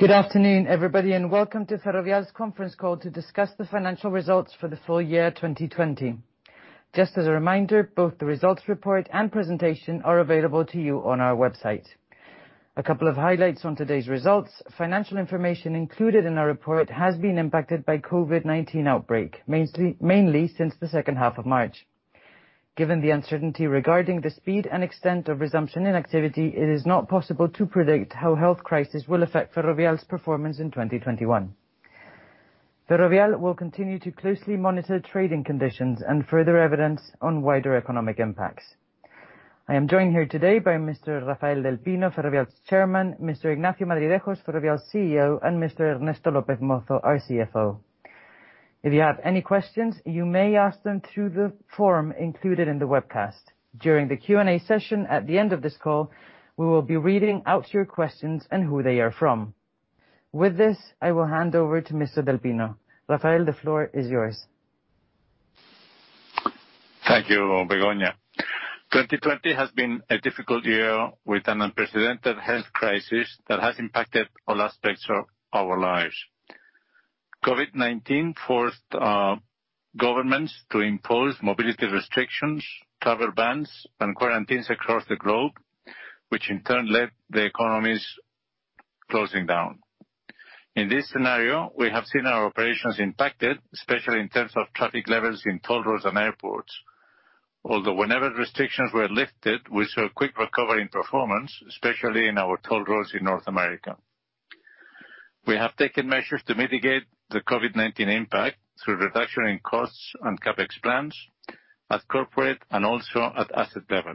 Good afternoon, everybody, and welcome to Ferrovial's conference call to discuss the financial results for the full year 2020. Just as a reminder, both the results report and presentation are available to you on our website. A couple of highlights on today's results. Financial information included in our report has been impacted by COVID-19 outbreak, mainly since the H2 of March. Given the uncertainty regarding the speed and extent of resumption in activity, it is not possible to predict how health crisis will affect Ferrovial's performance in 2021. Ferrovial will continue to closely monitor trading conditions and further evidence on wider economic impacts. I am joined here today by Mr. Rafael del Pino, Ferrovial's Chairman, Mr. Ignacio Madridejos, Ferrovial's CEO, and Mr. Ernesto López Mozo, our CFO. If you have any questions, you may ask them through the form included in the webcast. During the Q&A session at the end of this call, we will be reading out your questions and who they are from. With this, I will hand over to Mr. del Pino. Rafael, the floor is yours. Thank you, Begoña. 2020 has been a difficult year with an unprecedented health crisis that has impacted all aspects of our lives. COVID-19 forced governments to impose mobility restrictions, travel bans, and quarantines across the globe, which in turn led the economies closing down. In this scenario, we have seen our operations impacted, especially in terms of traffic levels in toll roads and airports. Whenever restrictions were lifted, we saw a quick recovery in performance, especially in our toll roads in North America. We have taken measures to mitigate the COVID-19 impact through reduction in costs and CapEx plans at corporate and also at asset level.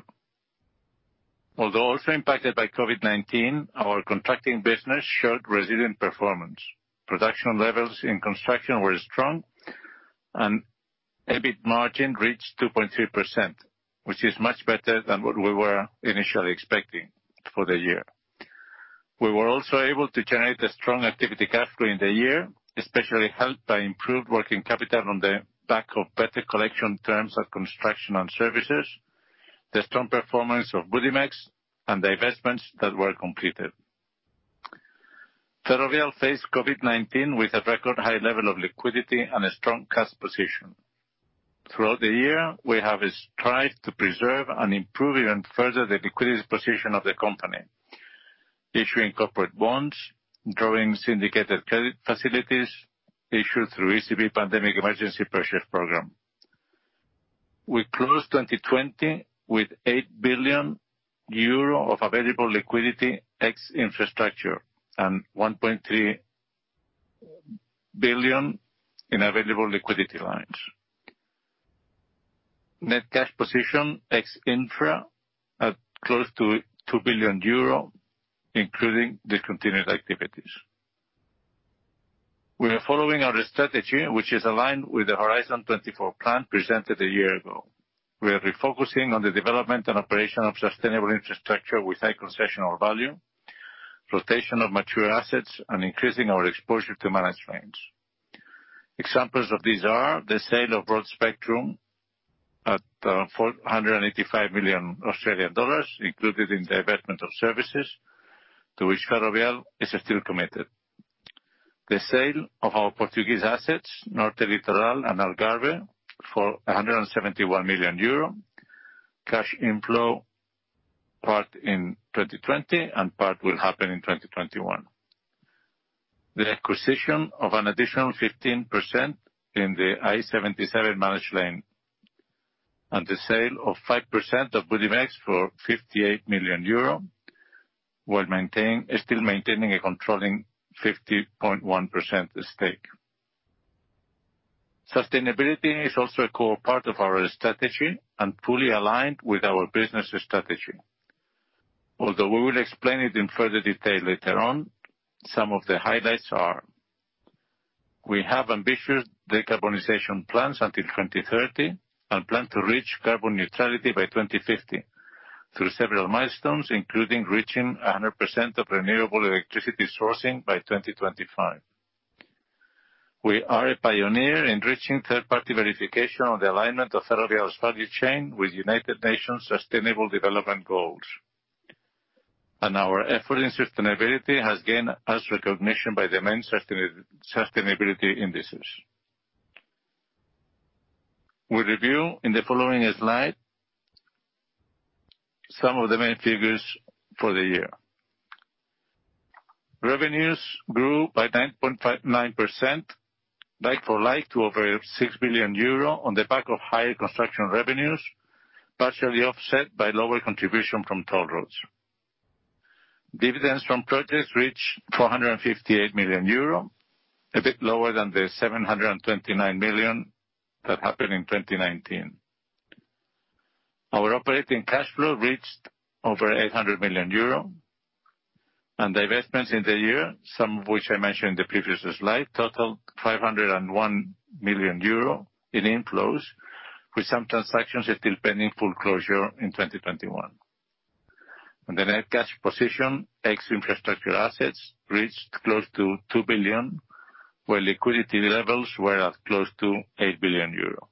Also impacted by COVID-19, our contracting business showed resilient performance. Production levels in construction were strong, EBIT margin reached 2.3%, which is much better than what we were initially expecting for the year. We were also able to generate a strong activity cash flow in the year, especially helped by improved working capital on the back of better collection terms of construction and services, the strong performance of Budimex, and the investments that were completed. Ferrovial faced COVID-19 with a record high level of liquidity and a strong cash position. Throughout the year, we have strived to preserve and improve even further the liquidity position of the company, issuing corporate bonds, drawing syndicated credit facilities issued through ECB Pandemic Emergency Purchase Program. We closed 2020 with 8 billion euro of available liquidity ex infrastructure, and 1.3 billion in available liquidity lines. Net cash position ex infra at close to 2 billion euro, including discontinued activities. We are following our strategy, which is aligned with the Horizon 24 plan presented a year ago. We are refocusing on the development and operation of sustainable infrastructure with high concessional value, rotation of mature assets, and increasing our exposure to managed lanes. Examples of these are the sale of Broadspectrum at 485 million Australian dollars, included in the investment of services, to which Ferrovial is still committed. The sale of our Portuguese assets, Norte Litoral and Algarve, for 171 million euro, cash inflow part in 2020 and part will happen in 2021. The acquisition of an additional 15% in the I-77 managed lane. The sale of 5% of Budimex for 58 million euro, while still maintaining a controlling 50.1% stake. Sustainability is also a core part of our strategy and fully aligned with our business strategy. Although we will explain it in further detail later on, some of the highlights are: we have ambitious decarbonization plans until 2030 and plan to reach carbon neutrality by 2050 through several milestones, including reaching 100% of renewable electricity sourcing by 2025. We are a pioneer in reaching third-party verification on the alignment of Ferrovial's value chain with United Nations' Sustainable Development Goals. Our effort in sustainability has gained us recognition by the main sustainability indices. We review in the following slide some of the main figures for the year. Revenues grew by 9.9%, like for like, to over 6 billion euro on the back of higher construction revenues, partially offset by lower contribution from toll roads. Dividends from projects reached 458 million euro, a bit lower than the 729 million that happened in 2019. Our operating cash flow reached over 800 million euro. Divestments in the year, some of which I mentioned in the previous slide, totaled 501 million euro in inflows, with some transactions still pending full closure in 2021. The net cash position, ex infrastructure assets, reached close to 2 billion, where liquidity levels were at close to 8 billion euro.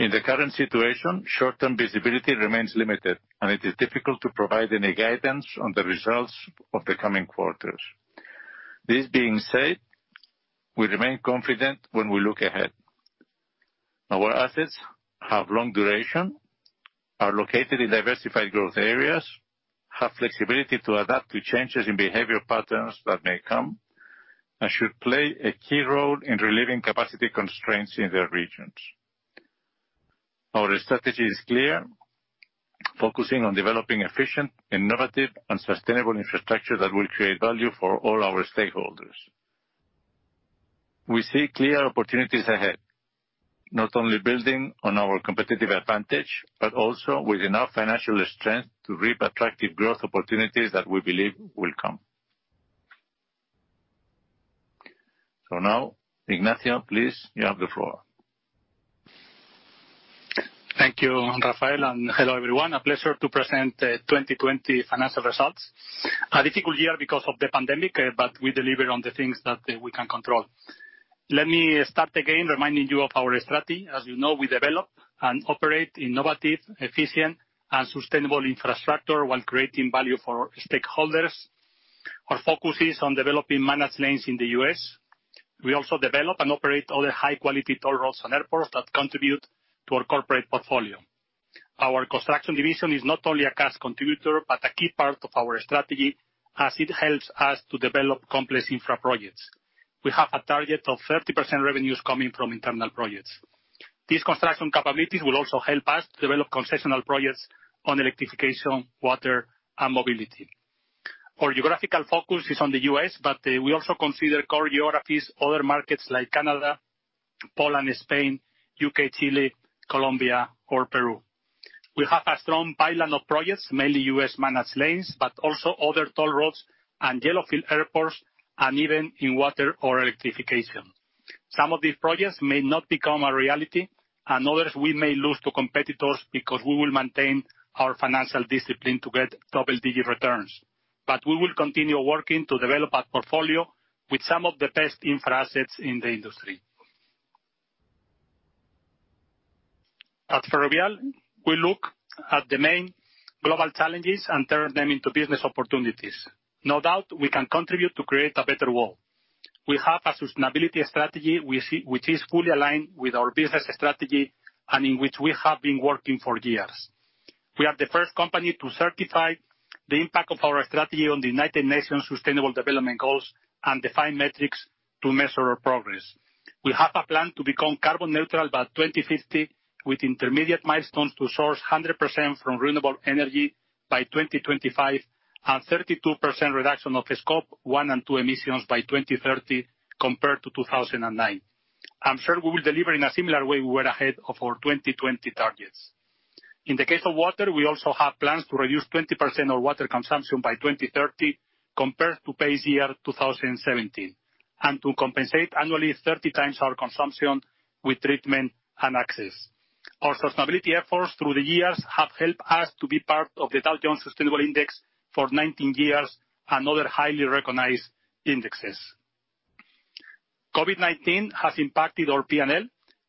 In the current situation, short-term visibility remains limited, and it is difficult to provide any guidance on the results of the coming quarters. This being said, we remain confident when we look ahead. Our assets have long duration, are located in diversified growth areas, have flexibility to adapt to changes in behavior patterns that may come, and should play a key role in relieving capacity constraints in their regions. Our strategy is clear, focusing on developing efficient, innovative, and sustainable infrastructure that will create value for all our stakeholders. We see clear opportunities ahead, not only building on our competitive advantage, but also with enough financial strength to reap attractive growth opportunities that we believe will come. Now, Ignacio, please, you have the floor. Thank you, Rafael. Hello, everyone. A pleasure to present the 2020 financial results. A difficult year because of the pandemic, but we delivered on the things that we can control. Let me start again, reminding you of our strategy. As you know, we develop and operate innovative, efficient, and sustainable infrastructure while creating value for our stakeholders. Our focus is on developing managed lanes in the U.S. We also develop and operate other high-quality toll roads and airports that contribute to our corporate portfolio. Our construction division is not only a cash contributor, but a key part of our strategy as it helps us to develop complex infra projects. We have a target of 30% revenues coming from internal projects. These construction capabilities will also help us to develop concessional projects on electrification, water, and mobility. Our geographical focus is on the U.S., but we also consider core geographies, other markets like Canada, Poland, Spain, U.K., Chile, Colombia, or Peru. We have a strong pipeline of projects, mainly U.S. managed lanes, but also other toll roads and yellow field airports, and even in water or electrification. Some of these projects may not become a reality, and others we may lose to competitors because we will maintain our financial discipline to get double-digit returns. We will continue working to develop a portfolio with some of the best infra assets in the industry. At Ferrovial, we look at the main global challenges and turn them into business opportunities. No doubt, we can contribute to create a better world. We have a sustainability strategy, which is fully aligned with our business strategy and in which we have been working for years. We are the first company to certify the impact of our strategy on the United Nations Sustainable Development Goals and define metrics to measure our progress. We have a plan to become carbon neutral by 2050, with intermediate milestones to source 100% from renewable energy by 2025 and 32% reduction of scope 1 and 2 emissions by 2030 compared to 2009. I'm sure we will deliver in a similar way we were ahead of our 2020 targets. In the case of water, we also have plans to reduce 20% of water consumption by 2030 compared to base year 2017, and to compensate annually 30 times our consumption with treatment and access. Our sustainability efforts through the years have helped us to be part of the Dow Jones Sustainability Index for 19 years and other highly recognized indexes. COVID-19 has impacted our P&L,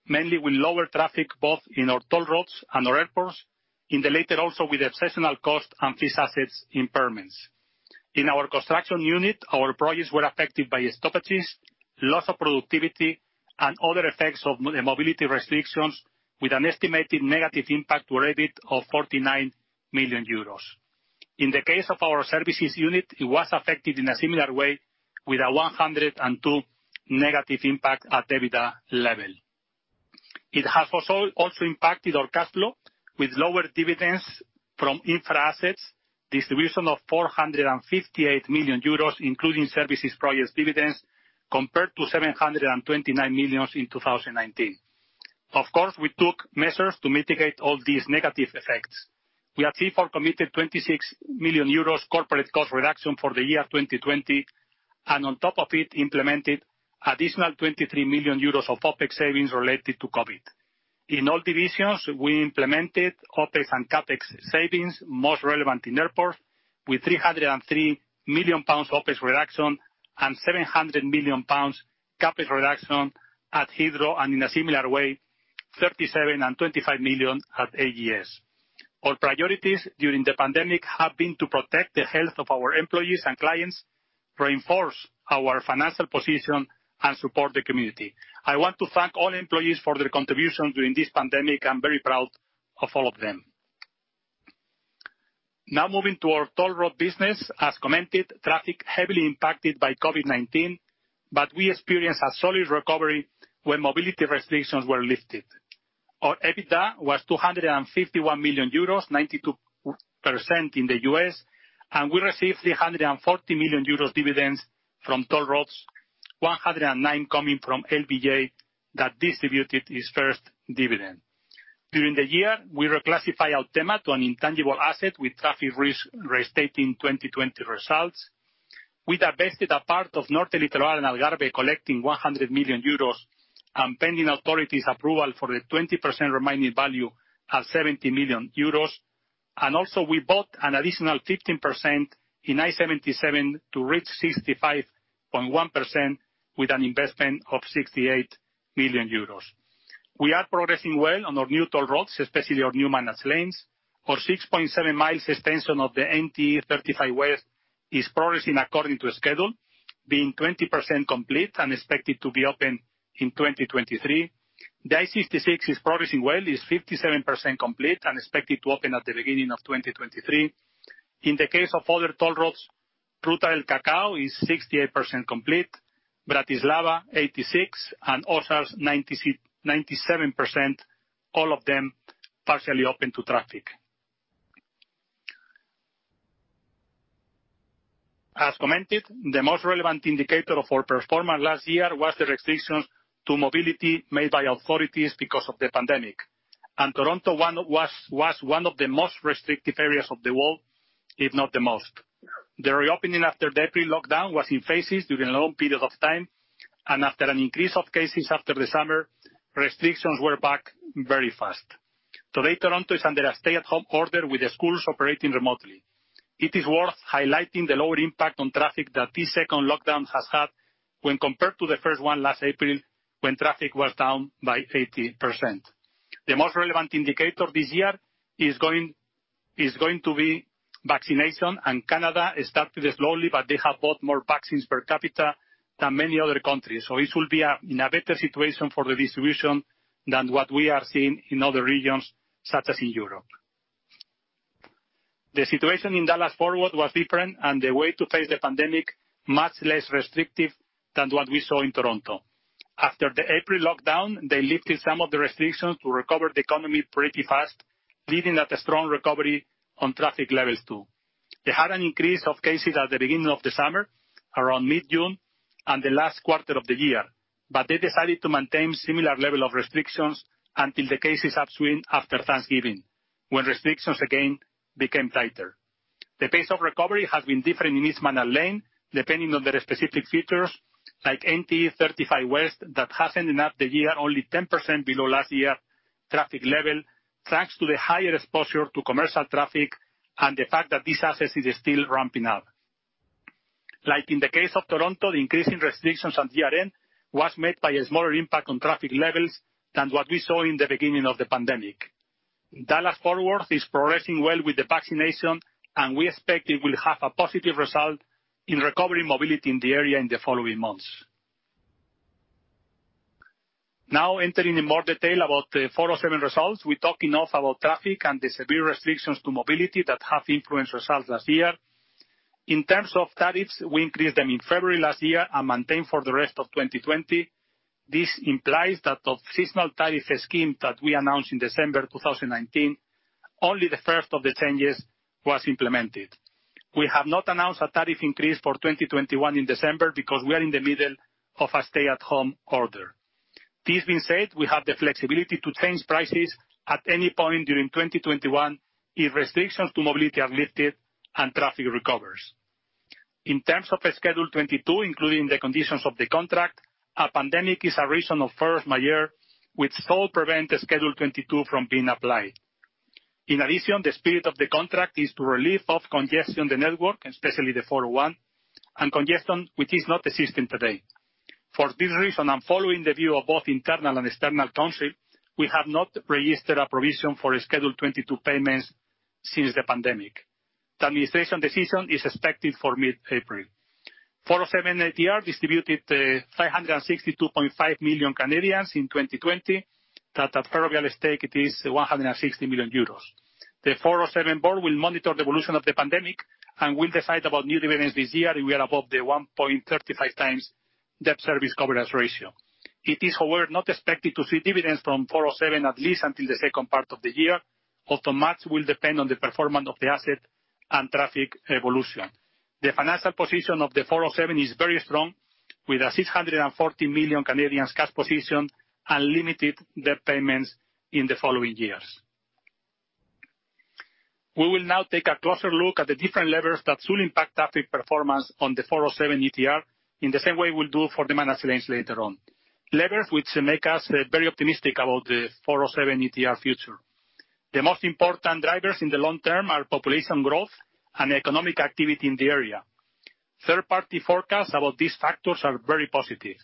mainly with lower traffic, both in our toll roads and our airports. In the latter, also with exceptional cost and fixed assets impairments. In our construction unit, our projects were affected by stoppages, loss of productivity, and other effects of mobility restrictions, with an estimated negative impact to EBIT of 49 million euros. In the case of our services unit, it was affected in a similar way with a 102 negative impact at EBITDA level. It has also impacted our cash flow with lower dividends from infra assets, distribution of 458 million euros, including services projects dividends, compared to 729 million in 2019. Of course, we took measures to mitigate all these negative effects. We at C4 committed 26 million euros corporate cost reduction for the year 2020, and on top of it, implemented additional 23 million euros of OpEx savings related to COVID-19. In all divisions, we implemented OpEx and CapEx savings, most relevant in airports, with 303 million pounds OpEx reduction and 700 million pounds CapEx reduction at Heathrow, and in a similar way, 37 million and 25 million at AGS. Our priorities during the pandemic have been to protect the health of our employees and clients, reinforce our financial position, and support the community. I want to thank all employees for their contribution during this pandemic. I am very proud of all of them. Moving to our toll road business. Traffic heavily impacted by COVID-19, but we experienced a solid recovery when mobility restrictions were lifted. Our EBITDA was 251 million euros, 92% in the U.S., and we received 340 million euros dividends from toll roads, 109 million coming from LBJ that distributed its first dividend. During the year, we reclassified Autema to an intangible asset with traffic risk restating 2020 results. We divested a part of Norte Litoral and Algarve, collecting 100 million euros, and pending authority's approval for the 20% remaining value at 70 million euros. Also we bought an additional 15% in I-77 to reach 65.1% with an investment of 68 million euros. We are progressing well on our new toll roads, especially our new managed lanes. Our 6.7-mile extension of the NTE 35W is progressing according to schedule, being 20% complete and expected to be open in 2023. The I-66 is progressing well, is 57% complete and expected to open at the beginning of 2023. In the case of other toll roads, Ruta del Cacao is 68% complete, Bratislava 86%, and OSARs 97%, all of them partially open to traffic. As commented, the most relevant indicator of our performance last year was the restrictions to mobility made by authorities because of the pandemic. Toronto was one of the most restrictive areas of the world, if not the most. The reopening after the April lockdown was in phases during long periods of time, and after an increase of cases after the summer, restrictions were back very fast. Today, Toronto is under a stay-at-home order with the schools operating remotely. It is worth highlighting the lower impact on traffic that this second lockdown has had when compared to the first one last April, when traffic was down by 80%. The most relevant indicator this year is going to be vaccination, and Canada started it slowly, but they have bought more vaccines per capita than many other countries. It will be in a better situation for the distribution than what we are seeing in other regions, such as in Europe. The situation in Dallas-Fort Worth was different. The way to face the pandemic much less restrictive than what we saw in Toronto. After the April lockdown, they lifted some of the restrictions to recover the economy pretty fast, leading at a strong recovery on traffic levels too. They had an increase of cases at the beginning of the summer, around mid-June, and the last quarter of the year. They decided to maintain similar level of restrictions until the cases upswing after Thanksgiving, when restrictions again became tighter. The pace of recovery has been different in each managed lane, depending on their specific features, like NTE 35W, that has ended up the year only 10% below last year traffic level, thanks to the higher exposure to commercial traffic and the fact that this asset is still ramping up. Like in the case of Toronto, the increase in restrictions on GRN was made by a smaller impact on traffic levels than what we saw in the beginning of the pandemic. Dallas-Fort Worth is progressing well with the vaccination, and we expect it will have a positive result in recovering mobility in the area in the following months. Now entering in more detail about the 407 results. We talked enough about traffic and the severe restrictions to mobility that have influenced results last year. In terms of tariffs, we increased them in February last year and maintained for the rest of 2020. This implies that of seasonal tariff scheme that we announced in December 2019, only the first of the changes was implemented. We have not announced a tariff increase for 2021 in December because we are in the middle of a stay-at-home order. This being said, we have the flexibility to change prices at any point during 2021 if restrictions to mobility are lifted and traffic recovers. In terms of Schedule 22, including the conditions of the contract, a pandemic is a reason of force majeure which sole prevent Schedule 22 from being applied. In addition, the spirit of the contract is to relieve off congestion the network, especially the 401, and congestion which is not existing today. For this reason, and following the view of both internal and external counsel, we have not registered a provision for Schedule 22 payments since the pandemic. The administration decision is expected for mid-April. 407 ETR distributed 562.5 million in 2020. That at Ferrovial stake it is 160 million euros. The 407 board will monitor the evolution of the pandemic and will decide about new dividends this year if we are above the 1.35 times debt service coverage ratio. It is, however, not expected to see dividends from 407 at least until the second part of the year, although much will depend on the performance of the asset and traffic evolution. The financial position of the 407 is very strong, with a 640 million cash position and limited debt payments in the following years. We will now take a closer look at the different levers that will impact traffic performance on the 407 ETR in the same way we'll do for the managed lanes later on. Levers which make us very optimistic about the 407 ETR future. The most important drivers in the long term are population growth and economic activity in the area. Third-party forecasts about these factors are very positive.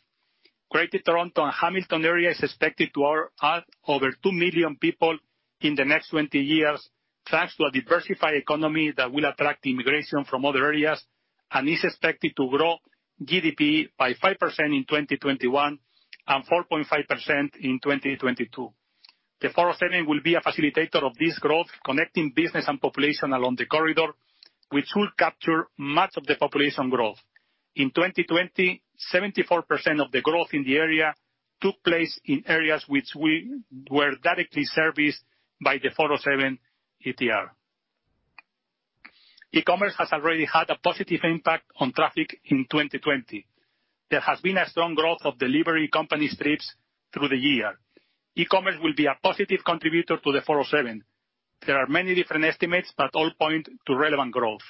Greater Toronto and Hamilton Area is expected to add over two million people in the next 20 years, thanks to a diversified economy that will attract immigration from other areas and is expected to grow GDP by 5% in 2021 and 4.5% in 2022. The 407 will be a facilitator of this growth, connecting business and population along the corridor, which will capture much of the population growth. In 2020, 74% of the growth in the area took place in areas which were directly serviced by the 407 ETR. E-commerce has already had a positive impact on traffic in 2020. There has been a strong growth of delivery company trips through the year. E-commerce will be a positive contributor to the 407. There are many different estimates, but all point to relevant growth.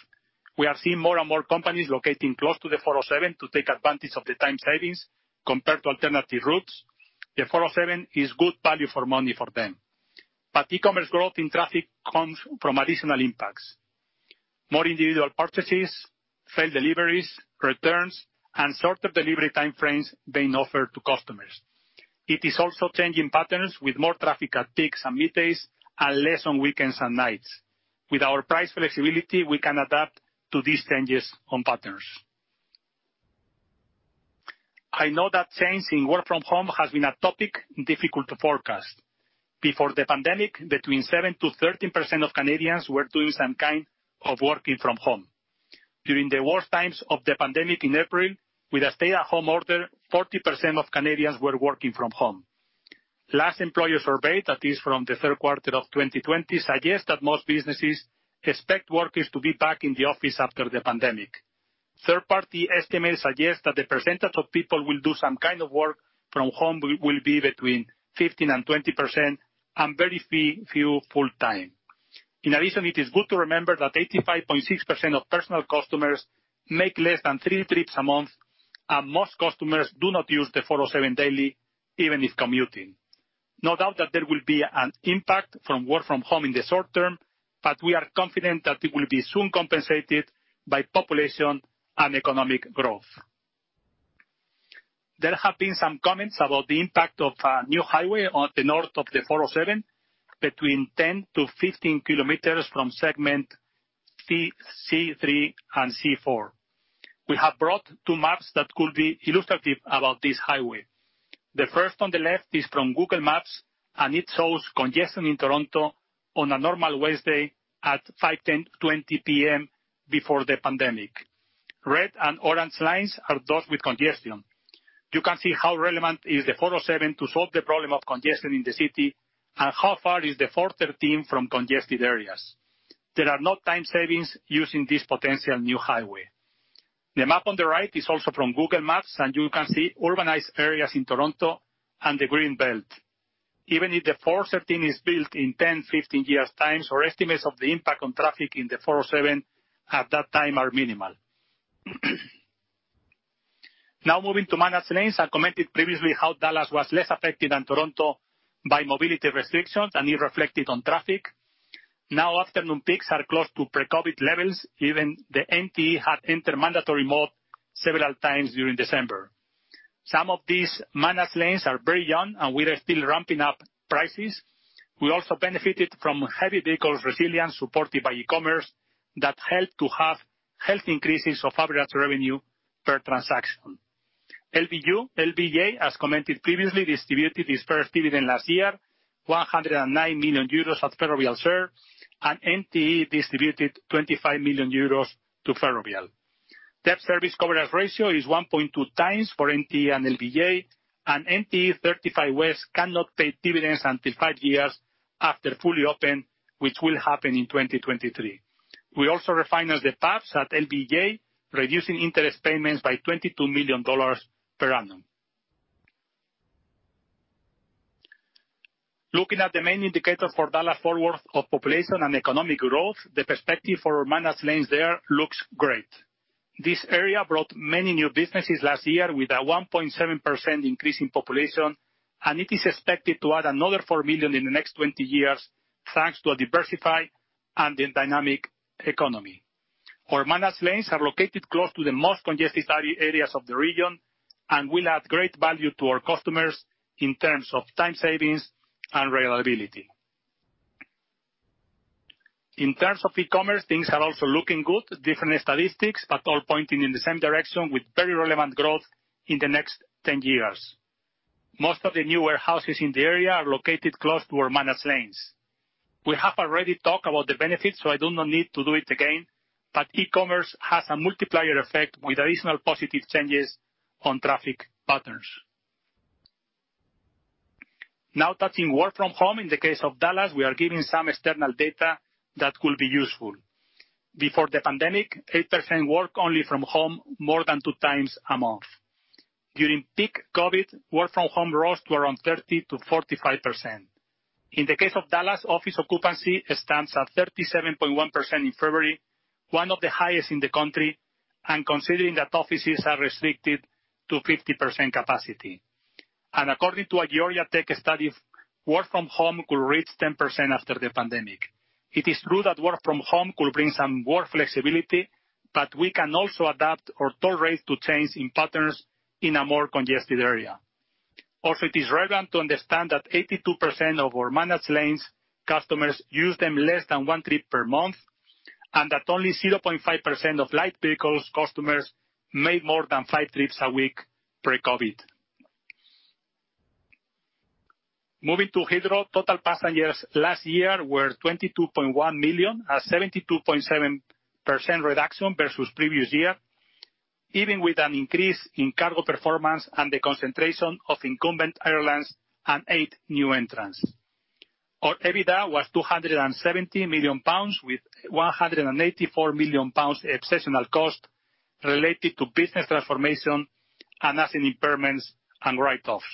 We are seeing more and more companies locating close to the 407 to take advantage of the time savings compared to alternative routes. The 407 is good value for money for them. E-commerce growth in traffic comes from additional impacts, more individual purchases, failed deliveries, returns, and shorter delivery time frames being offered to customers. It is also changing patterns with more traffic at peaks and middays, and less on weekends and nights. With our price flexibility, we can adapt to these changes on patterns. I know that change in work from home has been a topic difficult to forecast. Before the pandemic, between 7%-13% of Canadians were doing some kind of working from home. During the worst times of the pandemic in April, with a stay-at-home order, 40% of Canadians were working from home. Last employer survey, that is from the Q3 of 2020, suggests that most businesses expect workers to be back in the office after the pandemic. Third-party estimates suggest that the percentage of people will do some kind of work from home will be between 15% and 20%, and very few full-time. In addition, it is good to remember that 85.6% of personal customers make less than three trips a month, and most customers do not use the 407 daily, even if commuting. No doubt that there will be an impact from work from home in the short term, but we are confident that it will be soon compensated by population and economic growth. There have been some comments about the impact of a new highway on the north of the 407, between 10-15 kilometers from segment C3 and C4. We have brought two maps that could be illustrative about this highway. The first on the left is from Google Maps. It shows congestion in Toronto on a normal Wednesday at 5:10 P.M., 5:20 P.M. before the pandemic. Red and orange lines are those with congestion. You can see how relevant is the 407 to solve the problem of congestion in the city and how far is the 413 from congested areas. There are no time savings using this potential new highway. The map on the right is also from Google Maps. You can see urbanized areas in Toronto and the Green Belt. Even if the 413 is built in 10, 15 years' time, our estimates of the impact on traffic in the 407 at that time are minimal. Now moving to managed lanes. I commented previously how Dallas was less affected than Toronto by mobility restrictions, and it reflected on traffic. Now afternoon peaks are close to pre-COVID levels. Even the NTE had entered mandatory mode several times during December. Some of these managed lanes are very young, and we are still ramping up prices. We also benefited from heavy vehicles resilience supported by e-commerce that helped to have healthy increases of average revenue per transaction. LBJ, as commented previously, distributed its first dividend last year, 109 million euros at Ferrovial, and NTE distributed 25 million euros to Ferrovial. Debt service coverage ratio is 1.2 times for NTE and LBJ, and NTE 35W cannot pay dividends until five years after fully open, which will happen in 2023. We also refinance the debt at LBJ, reducing interest payments by $22 million per annum. Looking at the main indicator for Dallas-Fort Worth of population and economic growth, the perspective for our managed lanes there looks great. This area brought many new businesses last year with a 1.7% increase in population, and it is expected to add another 4 million in the next 20 years thanks to a diversified and dynamic economy. Our managed lanes are located close to the most congested areas of the region and will add great value to our customers in terms of time savings and reliability. In terms of e-commerce, things are also looking good. Different statistics, but all pointing in the same direction with very relevant growth in the next 10 years. Most of the new warehouses in the area are located close to our managed lanes. We have already talked about the benefits, so I do not need to do it again, but e-commerce has a multiplier effect with additional positive changes on traffic patterns. Now touching work from home. In the case of Dallas, we are giving some external data that will be useful. Before the pandemic, 8% work only from home more than two times a month. During peak COVID-19, work from home rose to around 30%-45%. In the case of Dallas, office occupancy stands at 37.1% in February, one of the highest in the country, and considering that offices are restricted to 50% capacity. According to a Georgia Tech study, work from home could reach 10% after the pandemic. It is true that work from home could bring some work flexibility, but we can also adapt our toll rate to change in patterns in a more congested area. Also, it is relevant to understand that 82% of our managed lanes customers use them less than one trip per month, and that only 0.5% of light vehicles customers made more than five trips a week pre-COVID-19. Moving to Heathrow. Total passengers last year were 22.1 million, a 72.7% reduction versus previous year, even with an increase in cargo performance and the concentration of incumbent airlines and eight new entrants. Our EBITDA was 270 million pounds, with 184 million pounds exceptional cost related to business transformation, asset impairments, and write-offs.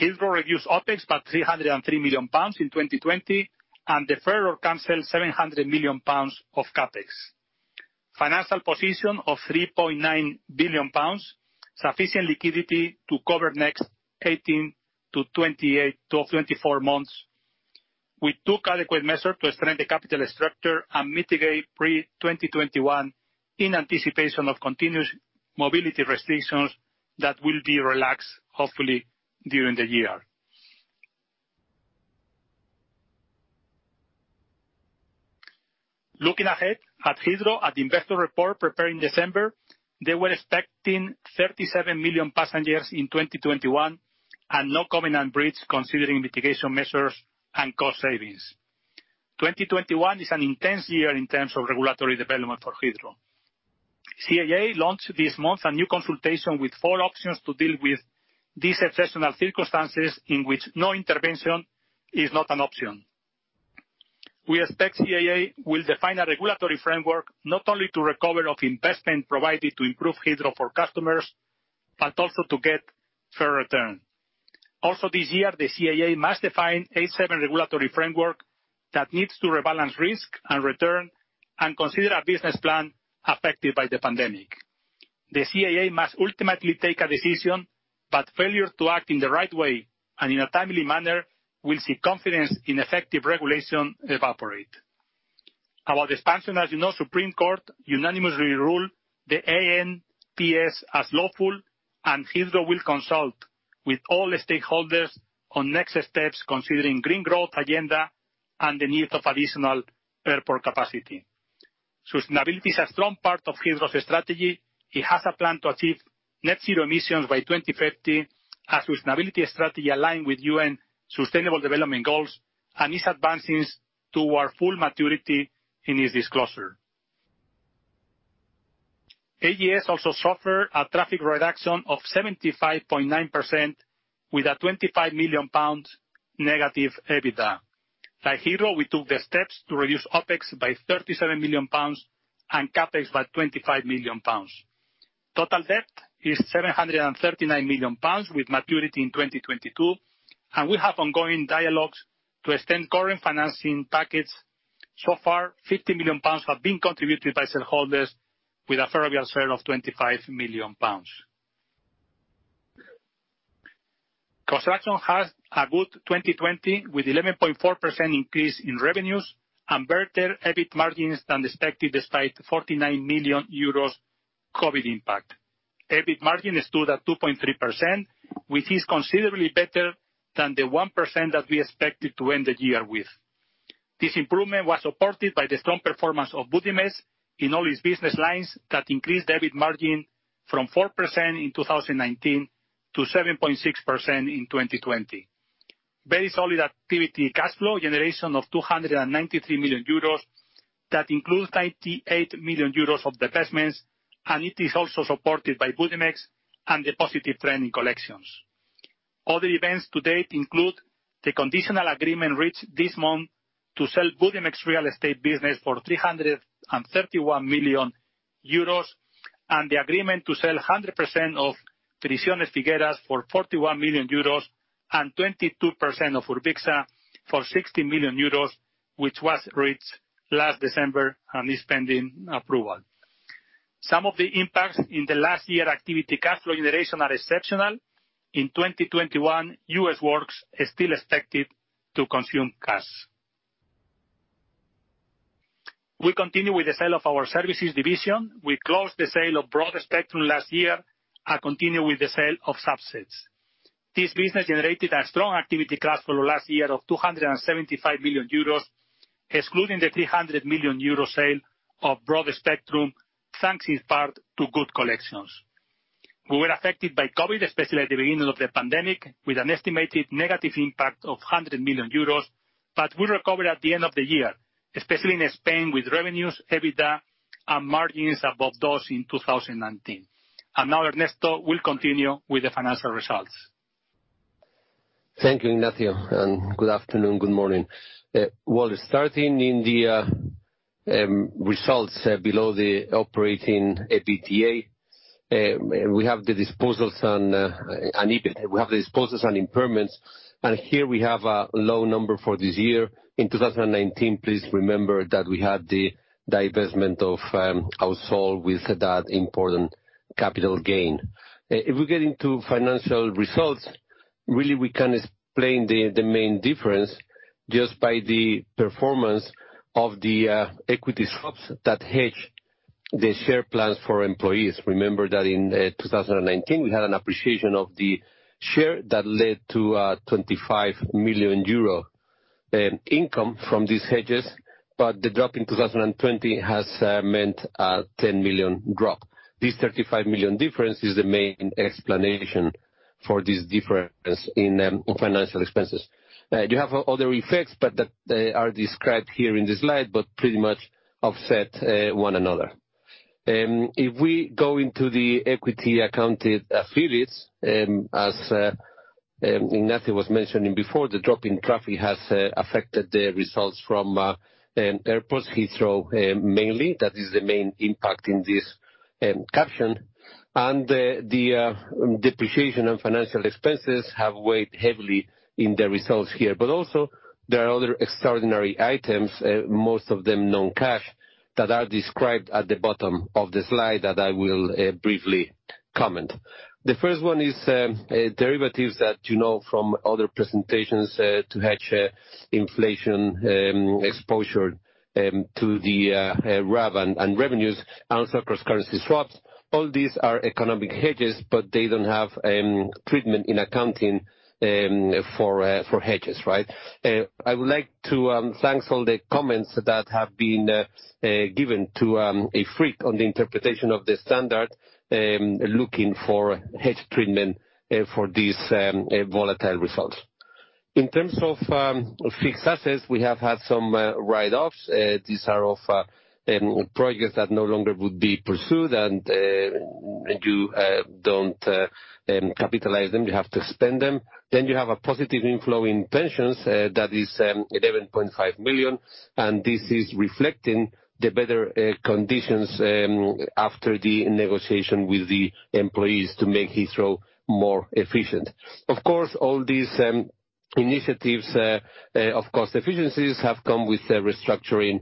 Heathrow reduced OpEx by 303 million pounds in 2020 and deferred or canceled 700 million pounds of CapEx. Financial position of 3.9 billion pounds, sufficient liquidity to cover the next 18-24 months. We took adequate measures to strengthen the capital structure and mitigate pre-2021 in anticipation of continued mobility restrictions that will be relaxed, hopefully, during the year. Looking ahead at Heathrow, at the investor report prepared in December, they were expecting 37 million passengers in 2021 and no covenant breach considering mitigation measures and cost savings. 2021 is an intense year in terms of regulatory development for Heathrow. CAA launched this month a new consultation with four options to deal with these exceptional circumstances in which no intervention is not an option. We expect CAA will define a regulatory framework, not only to recover of investment provided to improve Heathrow for customers, but also to get fair return. Also this year, the CAA must define a sound regulatory framework that needs to rebalance risk and return and consider our business plan affected by the pandemic. The CAA must ultimately make a decision, failure to act in the right way and in a timely manner will see confidence in effective regulation evaporate. About expansion, as you know, Supreme Court unanimously ruled the ANPS as lawful, and Heathrow will consult with all stakeholders on next steps, considering green growth agenda and the need of additional airport capacity. Sustainability is a strong part of Heathrow's strategy. It has a plan to achieve net-zero emissions by 2050, a sustainability strategy aligned with UN Sustainable Development Goals, and is advancing toward full maturity in its disclosure. AGS also suffered a traffic reduction of 75.9% with a 25 million pounds negative EBITDA. Like Heathrow, we took the steps to reduce OpEx by 37 million pounds and CapEx by 25 million pounds. Total debt is 739 million pounds with maturity in 2022, and we have ongoing dialogues to extend current financing package. So far, 50 million pounds have been contributed by shareholders with a Ferrovial share of 25 million pounds. Construction had a good 2020, with 11.4% increase in revenues and better EBIT margins than expected, despite 49 million euros COVID impact. EBIT margin stood at 2.3%, which is considerably better than the 1% that we expected to end the year with. This improvement was supported by the strong performance of Budimex in all its business lines, that increased the EBIT margin from 4% in 2019 to 7.6% in 2020. Very solid activity, cash flow generation of 293 million euros. That includes 98 million euros of divestments, and it is also supported by Budimex and the positive trend in collections. Other events to date include the conditional agreement reached this month to sell Budimex Real Estate business for 331 million euros, and the agreement to sell 100% of Tranvía de Figueras for 41 million euros and 22% of Urbicsa for 60 million euros, which was reached last December and is pending approval. Some of the impacts in the last year activity cash flow generation are exceptional. In 2021, U.S. Works is still expected to consume cash. We continue with the sale of our services division. We closed the sale of Broadspectrum last year and continue with the sale of subsets. This business generated a strong activity cash flow last year of €275 million, excluding the €300 million sale of Broadspectrum, thanks in part to good collections. We were affected by COVID-19, especially at the beginning of the pandemic, with an estimated negative impact of €100 million, but we recovered at the end of the year, especially in Spain, with revenues, EBITDA, and margins above those in 2019. Now Ernesto will continue with the financial results. Thank you, Ignacio. Good afternoon, good morning. Well, starting in the results below the operating EBITDA, we have the disposals and impairments, and here we have a low number for this year. In 2019, please remember that we had the divestment of Ausol with that important capital gain. If we get into financial results, really, we can explain the main difference just by the performance of the equity swaps that hedge the share plans for employees. Remember that in 2019, we had an appreciation of the share that led to a 25 million euro income from these hedges, but the drop in 2020 has meant a 10 million drop. This 35 million difference is the main explanation for this difference in financial expenses. You have other effects, they are described here in this slide, but pretty much offset one another. If we go into the equity accounted affiliates, as Ignacio was mentioning before, the drop in traffic has affected the results from airports, Heathrow mainly, that is the main impact in this caption. The depreciation and financial expenses have weighed heavily in the results here. Also there are other extraordinary items, most of them non-cash, that are described at the bottom of the slide that I will briefly comment. The first one is derivatives that you know from other presentations to hedge inflation, exposure to the RAB and revenues, and also cross-currency swaps. All these are economic hedges, but they don't have treatment in accounting for hedges, right? I would like to thank all the comments that have been given to IFRIC on the interpretation of the standard, looking for hedge treatment for these volatile results. In terms of fixed assets, we have had some write-offs. These are of projects that no longer would be pursued, you don't capitalize them; you have to spend them. You have a positive inflow in pensions that is 11.5 million, and this is reflecting the better conditions after the negotiation with the employees to make Heathrow more efficient. Of course, all these initiatives, of cost efficiencies, have come with restructuring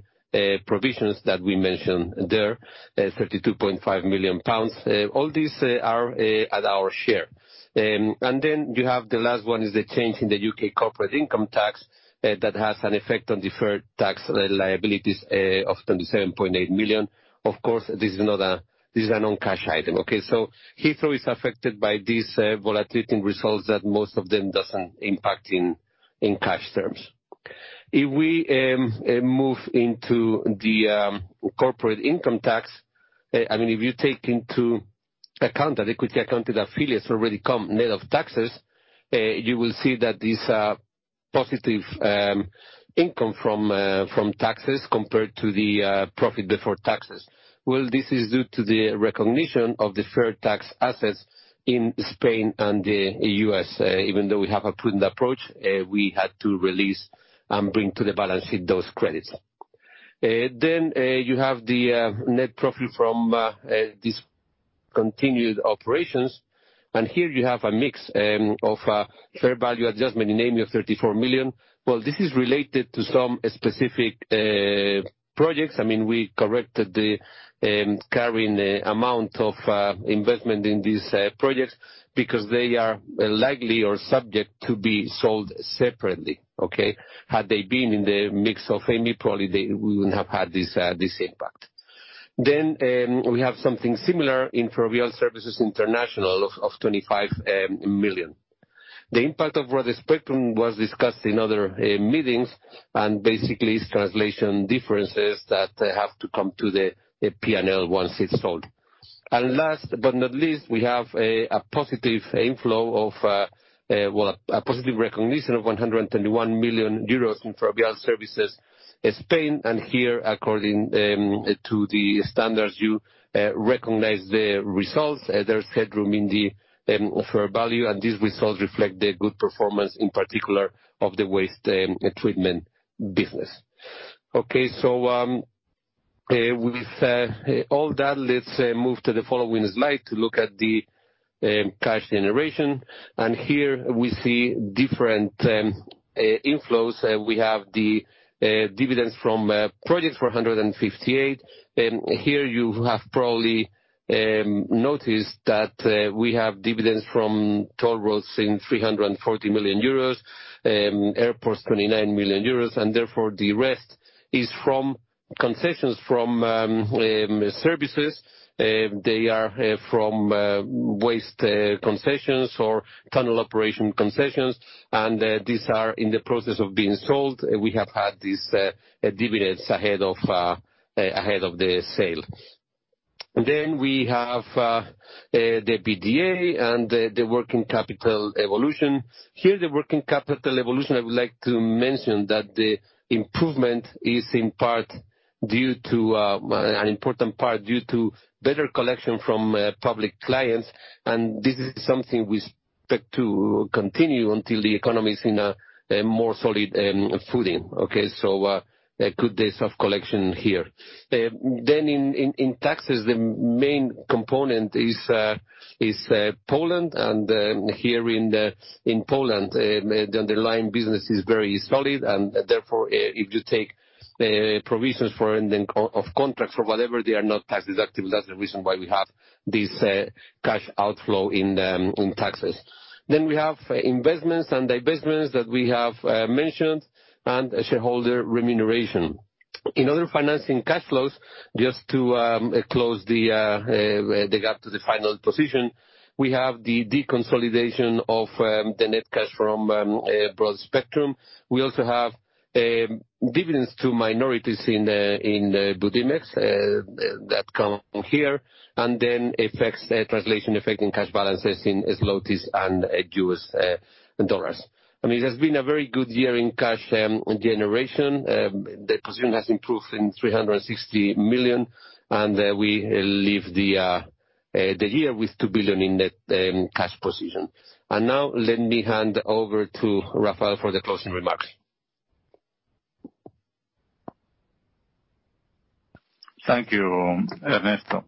provisions that we mentioned there, 32.5 million pounds. All these are at our share. Then you have the last one is the change in the U.K. corporate income tax that has an effect on deferred tax liabilities of 27.8 million. Of course, this is a non-cash item. Okay? Heathrow is affected by these volatility results that most of them doesn't impact in cash terms. If we move into the corporate income tax, if you take into account that equity accounted affiliates already come net of taxes, you will see that this positive income from taxes compared to the profit before taxes. This is due to the recognition of deferred tax assets in Spain and the U.S. Even though we have a prudent approach, we had to release and bring to the balance sheet those credits. You have the net profit from discontinued operations, and here you have a mix of fair value adjustment in Amey of 34 million. This is related to some specific projects. We corrected the carrying amount of investment in these projects because they are likely or subject to be sold separately. Okay? Had they been in the mix of Amey, probably we wouldn't have had this impact. We have something similar in Ferrovial Services International of 25 million. The impact of Broadspectrum was discussed in other meetings and basically it's translation differences that have to come to the P&L once it's sold. Last but not least, we have a positive recognition of €121 million in Ferrovial Servicios. Here, according to the standards, you recognize the results. There's headroom in the fair value. These results reflect the good performance, in particular of the waste treatment business. Okay. With all that, let's move to the following slide to look at the cash generation. Here we see different inflows. We have the dividends from projects for 158 million. Here you have probably noticed that we have dividends from toll roads in €340 million, airports €29 million. Therefore, the rest is from concessions from services. They are from waste concessions or tunnel operation concessions, and these are in the process of being sold. We have had these dividends ahead of the sale. We have the EBITDA and the working capital evolution. Here, the working capital evolution, I would like to mention that the improvement is in part due to, an important part due to better collection from public clients, and this is something we expect to continue until the economy is in a more solid footing. Okay, good days of collection here. In taxes, the main component is Poland. Here in Poland, the underlying business is very solid, and therefore, if you take provisions of contracts or whatever, they are not tax-deductible. That's the reason why we have this cash outflow in taxes. We have investments and divestments that we have mentioned and shareholder remuneration. In other financing cash flows, just to close the gap to the final position, we have the deconsolidation of the net cash from Broadspectrum. We also have dividends to minorities in the Budimex that come here, then translation effect in cash balances in zlotys and U.S. dollars. It has been a very good year in cash generation. The position has improved in 360 million, and we leave the year with 2 billion in net cash position. Now let me hand over to Rafael for the closing remarks. Thank you, Ernesto.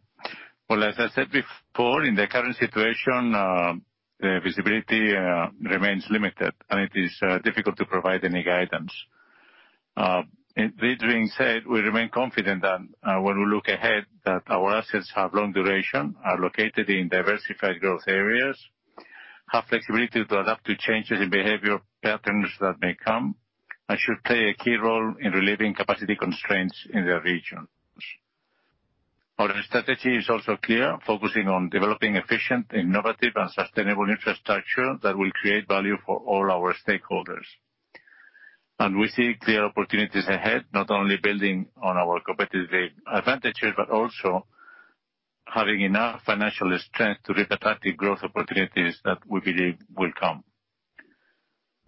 Well, as I said before, in the current situation, the visibility remains limited, and it is difficult to provide any guidance. This being said, we remain confident that when we look ahead, that our assets have long duration, are located in diversified growth areas, have flexibility to adapt to changes in behavior patterns that may come, and should play a key role in relieving capacity constraints in their regions. Our strategy is also clear, focusing on developing efficient, innovative, and sustainable infrastructure that will create value for all our stakeholders. We see clear opportunities ahead, not only building on our competitive advantages, but also having enough financial strength to reap attractive growth opportunities that we believe will come.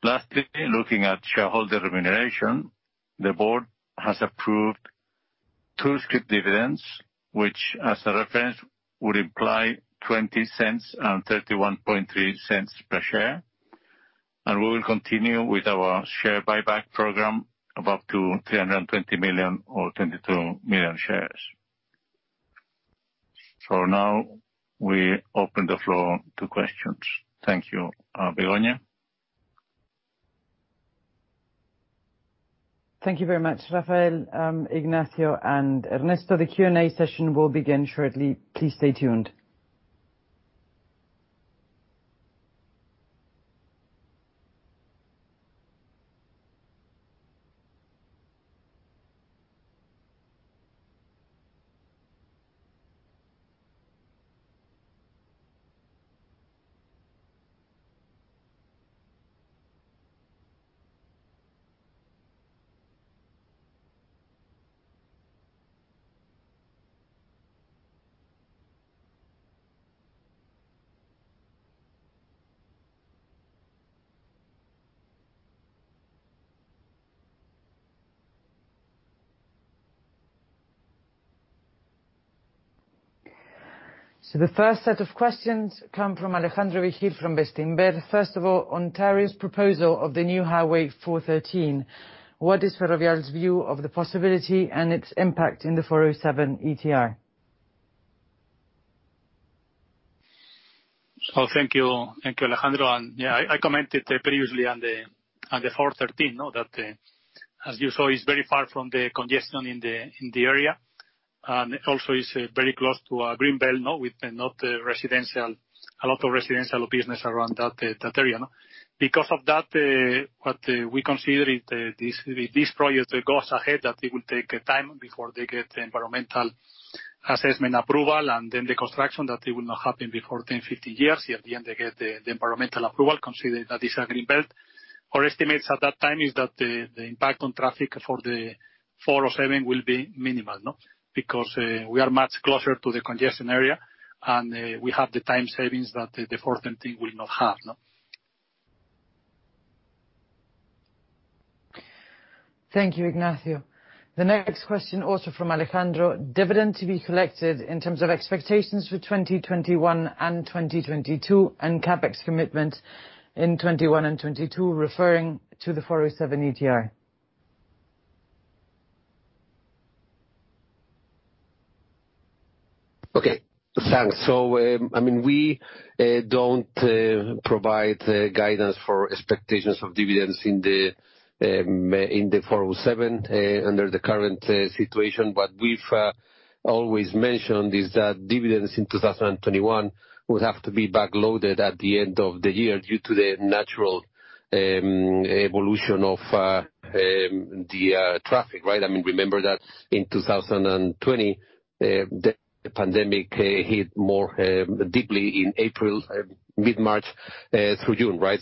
Lastly, looking at shareholder remuneration, the board has approved two scrip dividends, which as a reference would imply 0.20 and 0.313 per share. We will continue with our share buyback program of up to 320 million or 22 million shares. For now, we open the floor to questions. Thank you. Begoña? Thank you very much, Rafael, Ignacio, and Ernesto. The Q&A session will begin shortly. Please stay tuned. The first set of questions come from Alejandro Vigil from Bestinver. First of all, Ontario's proposal of the new Highway 413. What is Ferrovial's view of the possibility and its impact in the 407 ETR? Thank you, Alejandro. Yeah, I commented previously on the 413, that as you saw, it's very far from the congestion in the area. Also, it's very close to a green belt with not a lot of residential business around that area. Because of that, what we consider if this project goes ahead, that it will take time before they get the environmental assessment approval and then the construction, that it will not happen before 10, 15 years if at the end they get the environmental approval, considering that it's a green belt. Our estimates at that time is that the impact on traffic for the 407 will be minimal. Because we are much closer to the congestion area, and we have the time savings that the 413 will not have. Thank you, Ignacio. The next question also from Alejandro. Dividend to be collected in terms of expectations for 2021 and 2022 and CapEx commitment in 2021 and 2022, referring to the 407 ETR. Okay. Thanks. We don't provide guidance for expectations of dividends in the 407 under the current situation. What we've always mentioned is that dividends in 2021 would have to be back loaded at the end of the year due to the natural evolution of the traffic, right? Remember that in 2020, the pandemic hit more deeply in mid-March through June, right?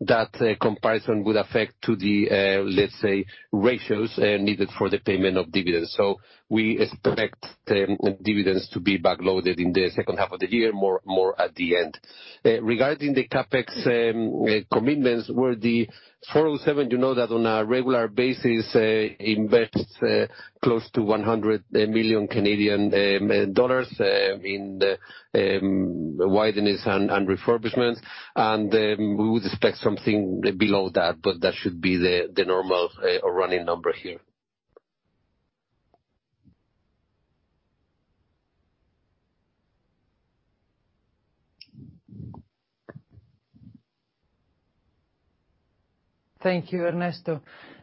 That comparison would affect to the, let's say, ratios needed for the payment of dividends. We expect the dividends to be back loaded in the H2 of the year, more at the end. Regarding the CapEx commitments, where the 407, you know that on a regular basis invests close to 100 million Canadian dollars in the wideness and refurbishments, and we would expect something below that. That should be the normal running number here. Thank you, Ernesto.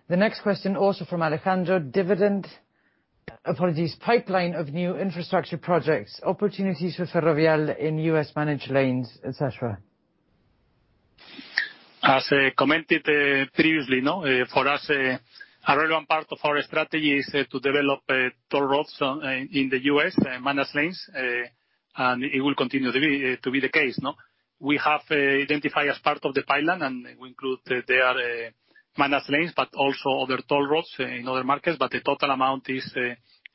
The next question also from Alejandro. Pipeline of new infrastructure projects, opportunities for Ferrovial in U.S. managed lanes, et cetera. As I commented previously. For us, a relevant part of our strategy is to develop toll roads in the U.S., managed lanes, and it will continue to be the case. We have identified as part of the pipeline, we include there managed lanes, but also other toll roads in other markets. The total amount is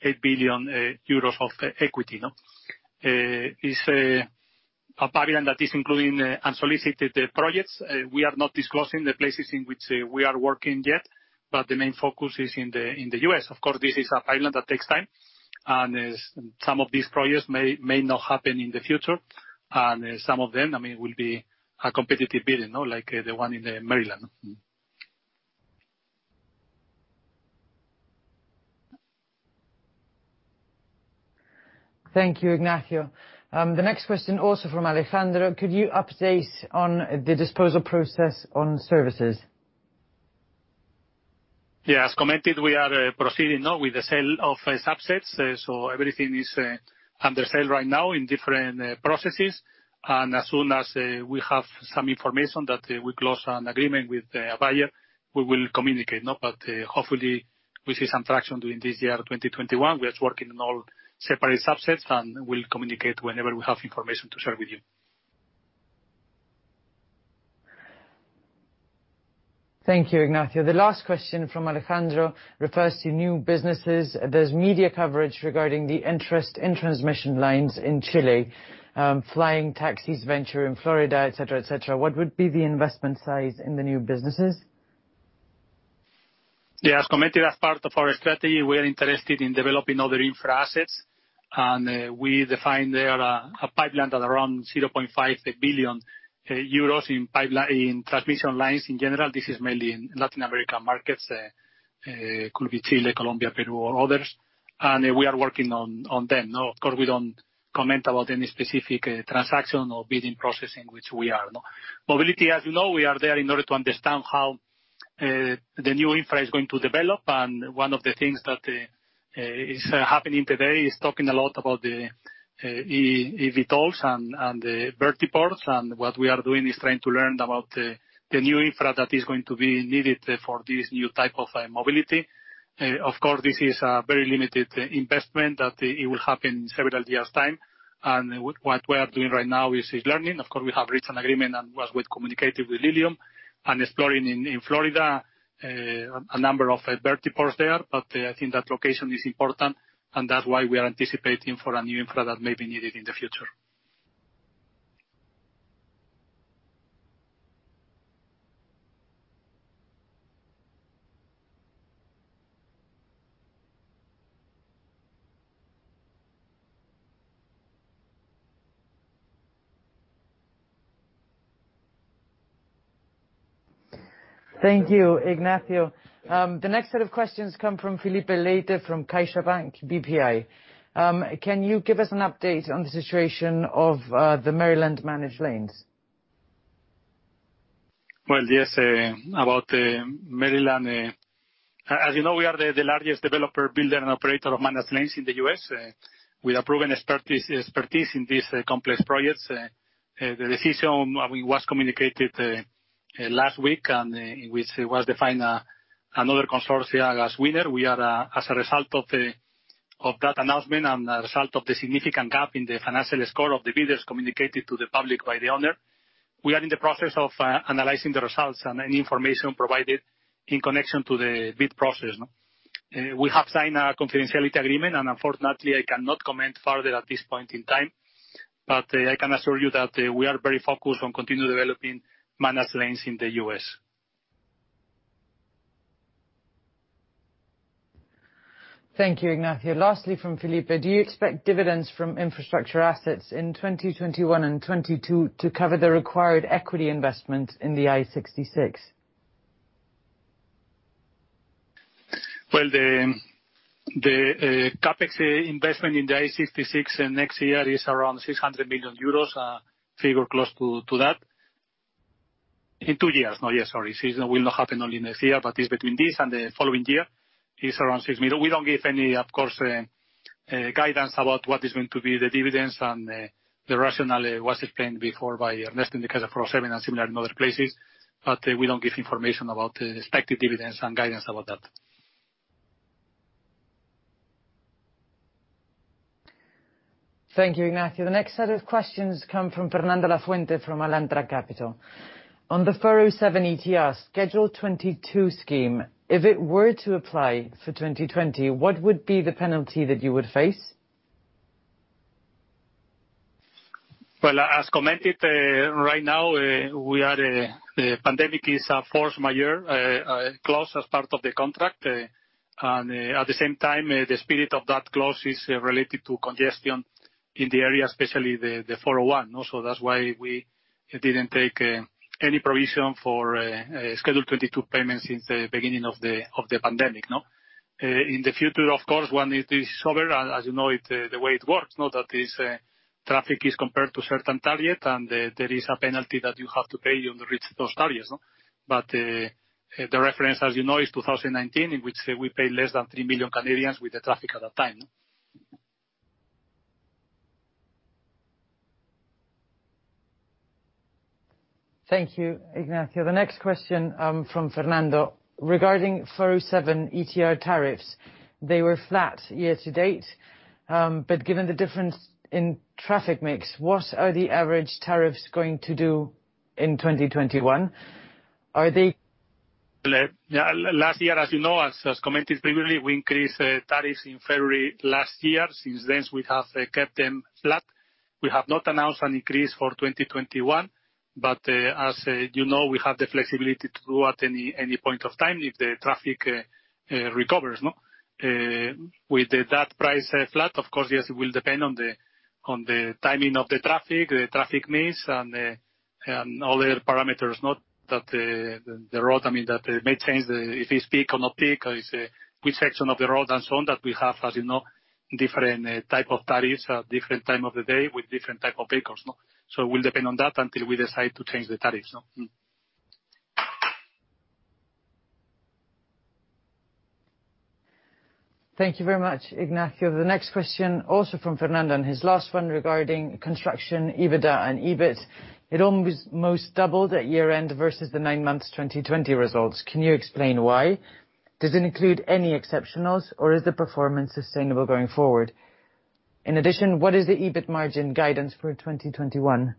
€8 billion of equity. It's a pipeline that is including unsolicited projects. We are not disclosing the places in which we are working yet, but the main focus is in the U.S. Of course, this is a pipeline that takes time. Some of these projects may not happen in the future. Some of them will be a competitive bidding, like the one in Maryland. Thank you, Ignacio. The next question also from Alejandro. Could you update on the disposal process on services? Yeah. As commented, we are proceeding now with the sale of subsets. Everything is under sale right now in different processes. As soon as we have some information that we close an agreement with a buyer, we will communicate. Hopefully we see some traction during this year, 2021. We are working on all separate subsets, and we'll communicate whenever we have information to share with you. Thank you, Ignacio. The last question from Alejandro refers to new businesses. There's media coverage regarding the interest in transmission lines in Chile, flying taxis venture in Florida, et cetera. What would be the investment size in the new businesses? Yeah. As committed, as part of our strategy, we are interested in developing other infra assets. We define there a pipeline at around 0.5 billion euros in transmission lines in general. This is mainly in Latin American markets. Could be Chile, Colombia, Peru, or others. We are working on them. Of course, we don't comment about any specific transaction or bidding process in which we are. Mobility, as you know, we are there in order to understand how the new infra is going to develop. One of the things that is happening today is talking a lot about the eVTOLs and the vertiports. What we are doing is trying to learn about the new infra that is going to be needed for this new type of mobility. Of course, this is a very limited investment, that it will happen several years' time. What we are doing right now is learning. Of course, we have reached an agreement and as we've communicated with Lilium and exploring in Florida, a number of vertiports there. I think that location is important, and that's why we are anticipating for a new infra that may be needed in the future. Thank you, Ignacio. The next set of questions come from Felipe Leite from CaixaBank BPI. Can you give us an update on the situation of the Maryland managed lanes? Well, yes. About Maryland, as you know, we are the largest developer, builder, and operator of managed lanes in the U.S. We have proven expertise in these complex projects. The decision was communicated last week, and which was defined another consortium as winner. We are, as a result of that announcement and a result of the significant gap in the financial score of the bidders communicated to the public by the owner, in the process of analyzing the results and any information provided in connection to the bid process. We have signed a confidentiality agreement, and unfortunately, I cannot comment further at this point in time. I can assure you that we are very focused on continuing developing managed lanes in the U.S. Thank you, Ignacio. Lastly, from Felipe, do you expect dividends from infrastructure assets in 2021 and 2022 to cover the required equity investment in the I-66? Well, the CapEx investment in the I-66 next year is around 600 million euros, a figure close to that. In two years, sorry. This will not happen only next year, but it's between this and the following year, is around 6 million. We don't give any, of course, guidance about what is going to be the dividends. The rationale was explained before by Ernesto because of 407 and similar in other places. We don't give information about expected dividends and guidance about that. Thank you, Ignacio. The next set of questions come from Fernando Lafuente, from Alantra Capital. On the 407 ETR Schedule 22 scheme, if it were to apply for 2020, what would be the penalty that you would face? Well, as commented, right now the pandemic is a force majeure clause as part of the contract. At the same time, the spirit of that clause is related to congestion in the area, especially the 401. That's why we didn't take any provision for Schedule 22 payments since the beginning of the pandemic. In the future, of course, when it is over, as you know the way it works, now that this traffic is compared to a certain target, there is a penalty that you have to pay when you reach those targets. The reference, as you know, is 2019, in which we paid less than 3 million with the traffic at that time. Thank you, Ignacio. The next question from Fernando. Regarding 407 ETR tariffs, they were flat year to date. Given the difference in traffic mix, what are the average tariffs going to do in 2021? Last year, as you know, as committed previously, we increased tariffs in February last year. Since then, we have kept them flat. We have not announced an increase for 2021. As you know, we have the flexibility to do at any point of time if the traffic recovers. With that price flat, of course, yes, it will depend on the timing of the traffic, the traffic mix, and all the parameters. That may change if it's peak or not peak, or which section of the road, and so on that we have as you know, different type of tariffs at different time of the day with different type of vehicles. It will depend on that until we decide to change the tariffs. Thank you very much, Ignacio. The next question, also from Fernando, and his last one regarding construction, EBITDA and EBIT. It almost doubled at year-end versus the nine months 2020 results. Can you explain why? Does it include any exceptionals, or is the performance sustainable going forward? In addition, what is the EBIT margin guidance for 2021?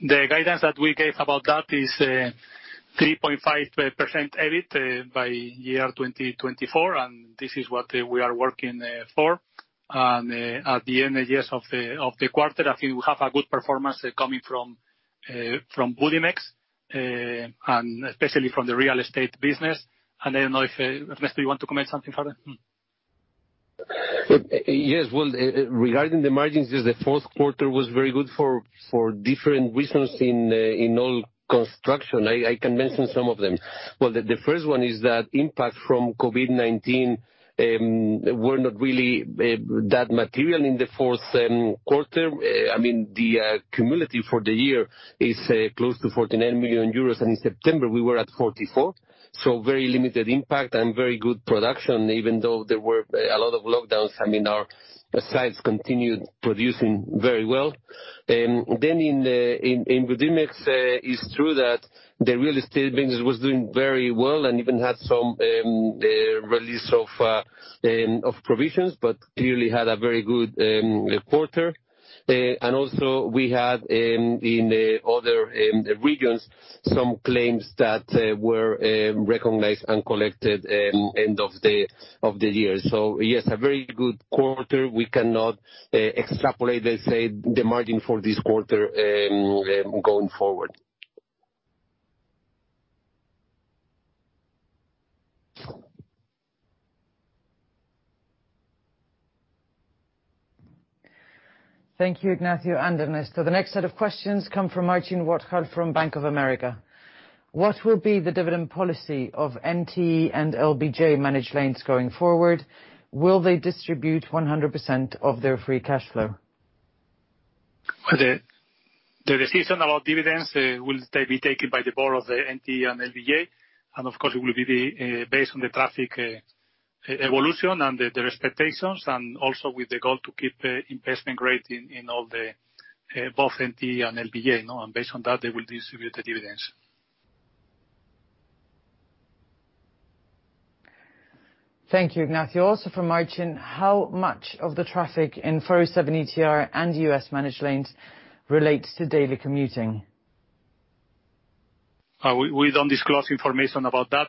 The guidance that we gave about that is 3.5% EBIT by year 2024. This is what we are working for. At the end, yes, of the quarter, I think we have a good performance coming from Budimex. Especially from the real estate business. I don't know if, Ernesto, you want to comment something further? Yes. Well, regarding the margins, yes, the Q4 was very good for different reasons in all construction. I can mention some of them. Well, the first one is that impact from COVID-19 were not really that material in the Q4. The cumulative for the year is close to 49 million euros, and in September, we were at 44 million. Very limited impact and very good production. Even though there were a lot of lockdowns, our sites continued producing very well. In Budimex, it's true that the real estate business was doing very well and even had some release of provisions, but clearly had a very good quarter. Also we had, in other regions, some claims that were recognized and collected end of the year. Yes, a very good quarter. We cannot extrapolate, let's say, the margin for this quarter going forward. Thank you, Ignacio and Ernesto. The next set of questions come from Marcin Wojtal from Bank of America. What will be the dividend policy of NTE and LBJ managed lanes going forward? Will they distribute 100% of their free cash flow? The decision about dividends will be taken by the board of the NTE and LBJ, of course, it will be based on the traffic evolution and their expectations, and also with the goal to keep investment grade in both NTE and LBJ. Based on that, they will distribute the dividends. Thank you, Ignacio. Also from Marcin, how much of the traffic in 407 ETR and U.S. managed lanes relates to daily commuting? We don't disclose information about that.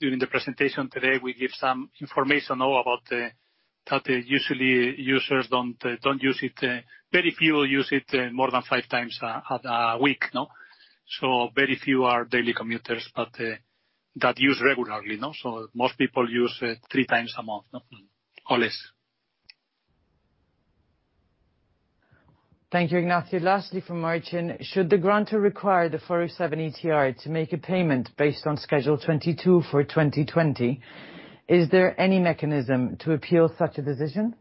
During the presentation today, we give some information about that usually very few use it more than five times a week. Very few are daily commuters that use regularly. Most people use it three times a month or less. Thank you, Ignacio. Lastly, from Marcin, should the grantor require the 407 ETR to make a payment based on Schedule 22 for 2020, is there any mechanism to appeal such a decision?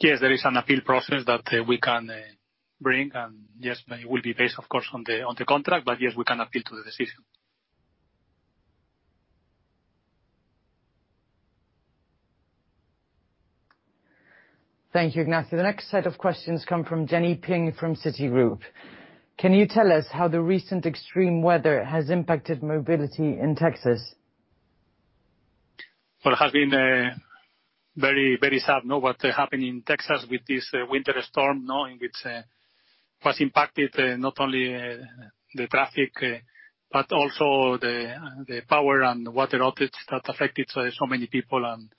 Yes, there is an appeal process that we can bring, and yes, it will be based, of course, on the contract. Yes, we can appeal to the decision. Thank you, Ignacio. The next set of questions come from Jenny Ping from Citigroup. Can you tell us how the recent extreme weather has impacted mobility in Texas? It has been very sad what happened in Texas with this winter storm, which has impacted not only the traffic but also the power and water outlets that affected so many people and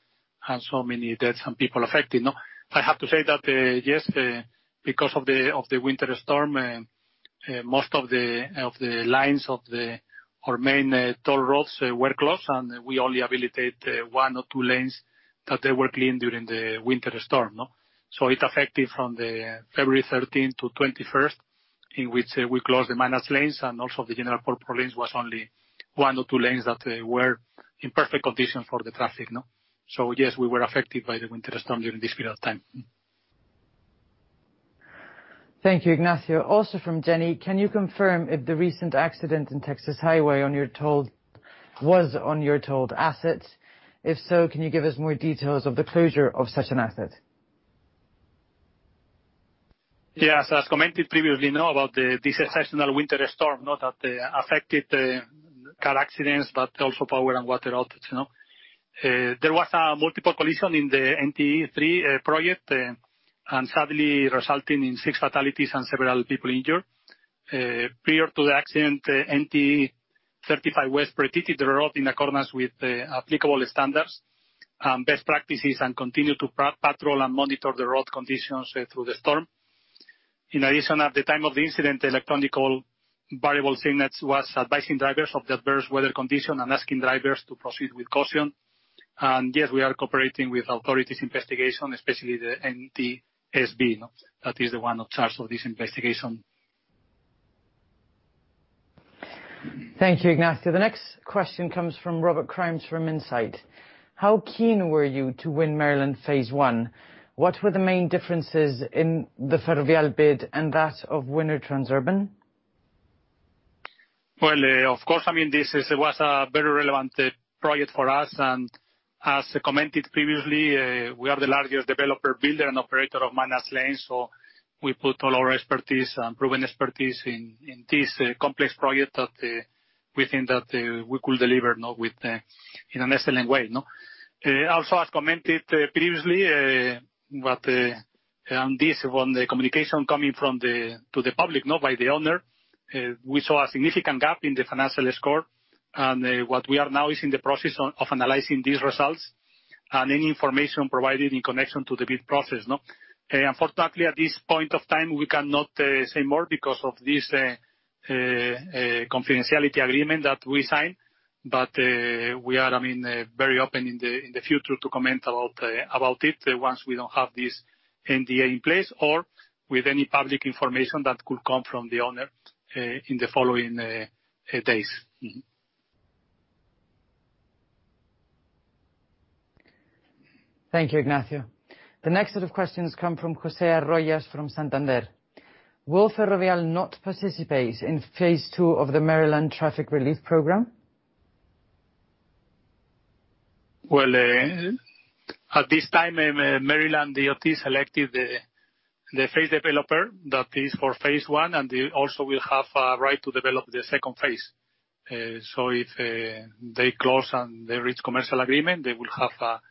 so many deaths and people affected. I have to say that, yes, because of the winter storm, most of the lines of our main toll roads were closed, and we only habilitate one or two lanes that they were clean during the winter storm. It affected from the February 13th-21st, in which we closed the managed lanes and also the general purpose lanes was only one or two lanes that were in perfect condition for the traffic. Yes, we were affected by the winter storm during this period of time. Thank you, Ignacio. Also from Jenny, can you confirm if the recent accident in Texas highway was on your tolled asset? If so, can you give us more details of the closure of such an asset? Yes. As commented previously about this exceptional winter storm that affected car accidents, but also power and water outlets. There was a multiple collision in the NTE project, sadly resulting in 6 fatalities and several people injured. Prior to the accident, NTE 35W protected the road in accordance with applicable standards, best practices, and continued to patrol and monitor the road conditions through the storm. In addition, at the time of the incident, the electronic variable sign was advising drivers of the adverse weather condition and asking drivers to proceed with caution. Yes, we are cooperating with authorities' investigation, especially the NTSB. That is the one in charge of this investigation. Thank you, Ignacio. The next question comes from Robert Crimes from Insight. How keen were you to win Maryland phase one? What were the main differences in the Ferrovial bid and that of winner Transurban? Well, of course, this was a very relevant project for us. As I commented previously, we are the largest developer, builder, and operator of managed lanes, so we put all our expertise and proven expertise in this complex project that we think that we could deliver in an excellent way. Also, as commented previously, around this, on the communication coming to the public, not by the owner, we saw a significant gap in the financial score. What we are now is in the process of analyzing these results and any information provided in connection to the bid process. Unfortunately, at this point of time, we cannot say more because of this confidentiality agreement that we signed. We are very open in the future to comment about it once we don't have this NDA in place or with any public information that could come from the owner in the following days. Thank you, Ignacio. The next set of questions come from José Arroyo from Santander. Will Ferrovial not participate in phase two of the Maryland Traffic Relief Plan? At this time, Maryland DOT selected the phase developer that is for phase I, and they also will have a right to develop the second phase. If they close and they reach commercial agreement, they will have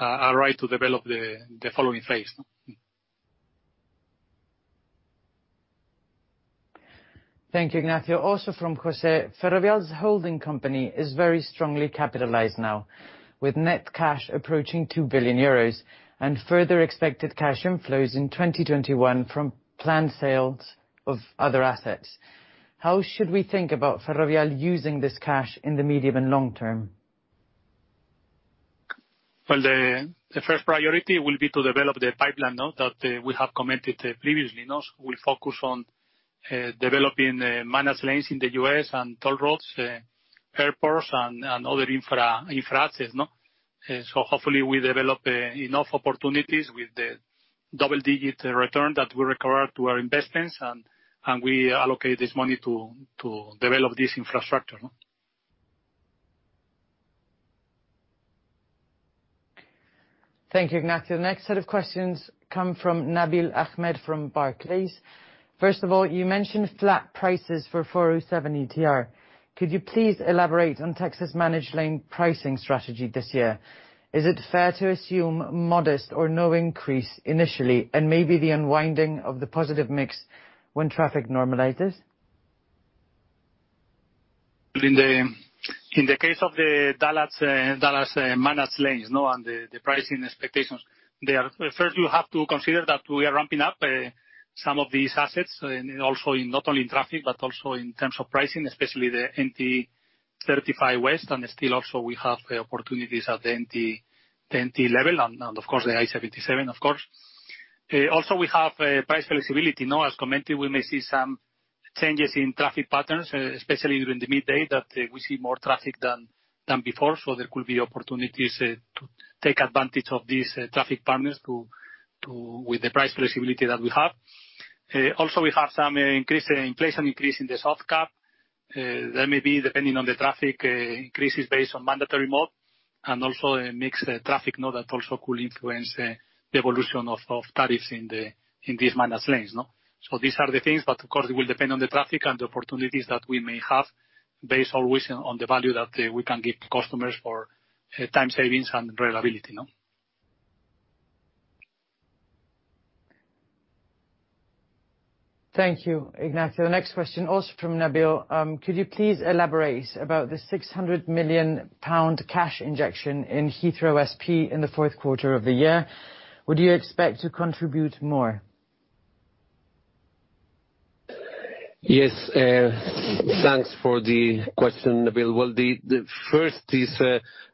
a right to develop the following phase. Thank you, Ignacio. Also from José. Ferrovial's holding company is very strongly capitalized now, with net cash approaching 2 billion euros and further expected cash inflows in 2021 from planned sales of other assets. How should we think about Ferrovial using this cash in the medium and long term? Well, the first priority will be to develop the pipeline that we have commented previously. We focus on developing managed lanes in the U.S. and toll roads, airports, and other infra assets. Hopefully we develop enough opportunities with the double-digit return that we require to our investments, and we allocate this money to develop this infrastructure. Thank you, Ignacio. The next set of questions come from Nabil Ahmed from Barclays. First of all, you mentioned flat prices for 407 ETR. Could you please elaborate on Texas managed lane pricing strategy this year? Is it fair to assume modest or no increase initially, and maybe the unwinding of the positive mix when traffic normalizes? In the case of the Dallas managed lanes and the pricing expectations, first you have to consider that we are ramping up some of these assets, not only in traffic, but also in terms of pricing, especially the NTE 35W. Still also we have opportunities at the NTE level and of course the I-77, of course. We have price flexibility. As commented, we may see some changes in traffic patterns, especially during the midday, that we see more traffic than before. There could be opportunities to take advantage of these traffic patterns with the price flexibility that we have. We have some inflation increase in the soft cap. There may be, depending on the traffic, increases based on mandatory mode. Also a mixed traffic that also could influence the evolution of tariffs in these managed lanes. These are the things, of course, it will depend on the traffic and the opportunities that we may have, based always on the value that we can give to customers for time savings and reliability. Thank you, Ignacio. Next question, also from Nabil. Could you please elaborate about the 600 million pound cash injection in Heathrow SP in the Q4 of the year? Would you expect to contribute more? Yes. Thanks for the question, Nabil. Well, the first is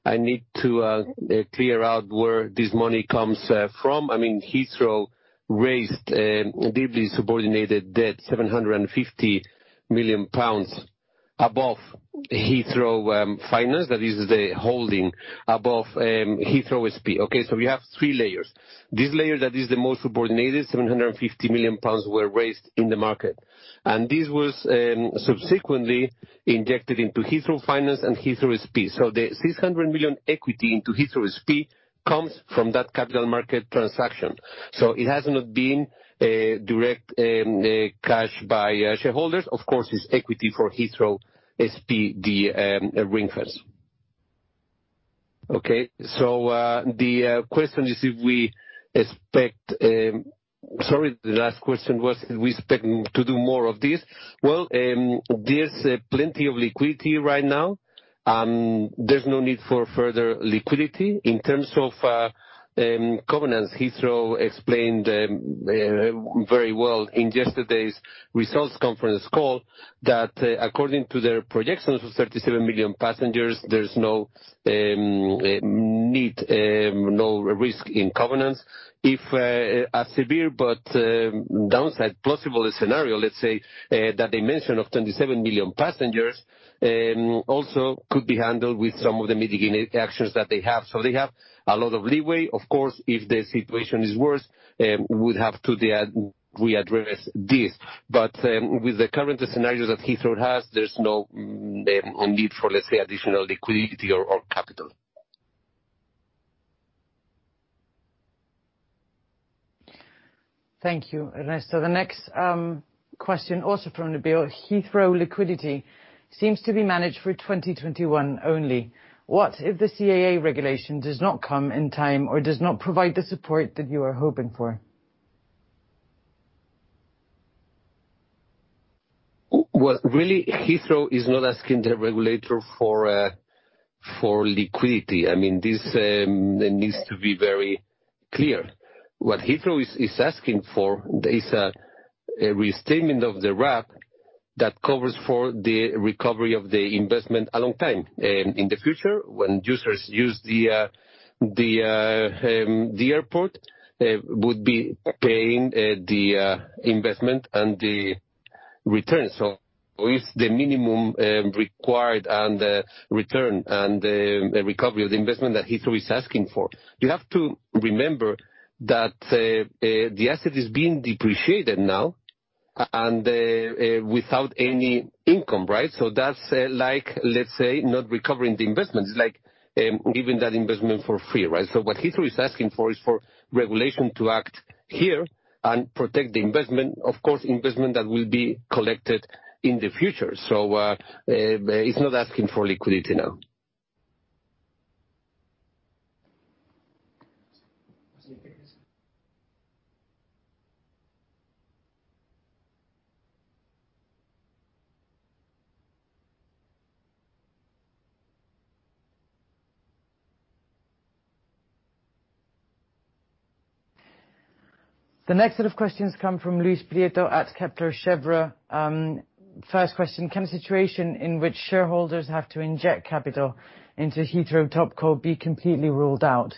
I need to clear out where this money comes from. Heathrow raised deeply subordinated debt, 750 million pounds above Heathrow Finance. That is the holding above Heathrow SP. Okay? We have three layers. This layer that is the most subordinated, 750 million pounds, were raised in the market. This was subsequently injected into Heathrow Finance and Heathrow SP. The 600 million equity into Heathrow SP comes from that capital market transaction. Of course, it's equity for Heathrow SP, the ring-fence. Okay. The last question was, do we expect to do more of this? There's plenty of liquidity right now. There's no need for further liquidity. In terms of covenants, Heathrow explained very well in yesterday's results conference call that according to their projections of 37 million passengers, there's no need, no risk in covenants. If a severe but downside plausible scenario, let's say, that they mention of 27 million passengers, also could be handled with some of the mitigating actions that they have. They have a lot of leeway. Of course, if the situation is worse, we'd have to readdress this. With the current scenario that Heathrow has, there's no need for, let's say, additional liquidity or capital. Thank you, Ernesto. The next question, also from Nabil. Heathrow liquidity seems to be managed for 2021 only. What if the CAA regulation does not come in time or does not provide the support that you are hoping for? Well, really, Heathrow is not asking the regulator for liquidity. This needs to be very clear. What Heathrow is asking for is a restatement of the RAB that covers for the recovery of the investment a long time. In the future, when users use the airport, would be paying the investment and the returns. It's the minimum required and the return and the recovery of the investment that Heathrow is asking for. You have to remember that the asset is being depreciated now, and without any income. That's like, let's say, not recovering the investment. It's like giving that investment for free. What Heathrow is asking for is for regulation to act here and protect the investment, of course, investment that will be collected in the future. It's not asking for liquidity now. The next set of questions come from Luis Prieto at Kepler Cheuvreux. First question, can a situation in which shareholders have to inject capital into Heathrow Topco be completely ruled out?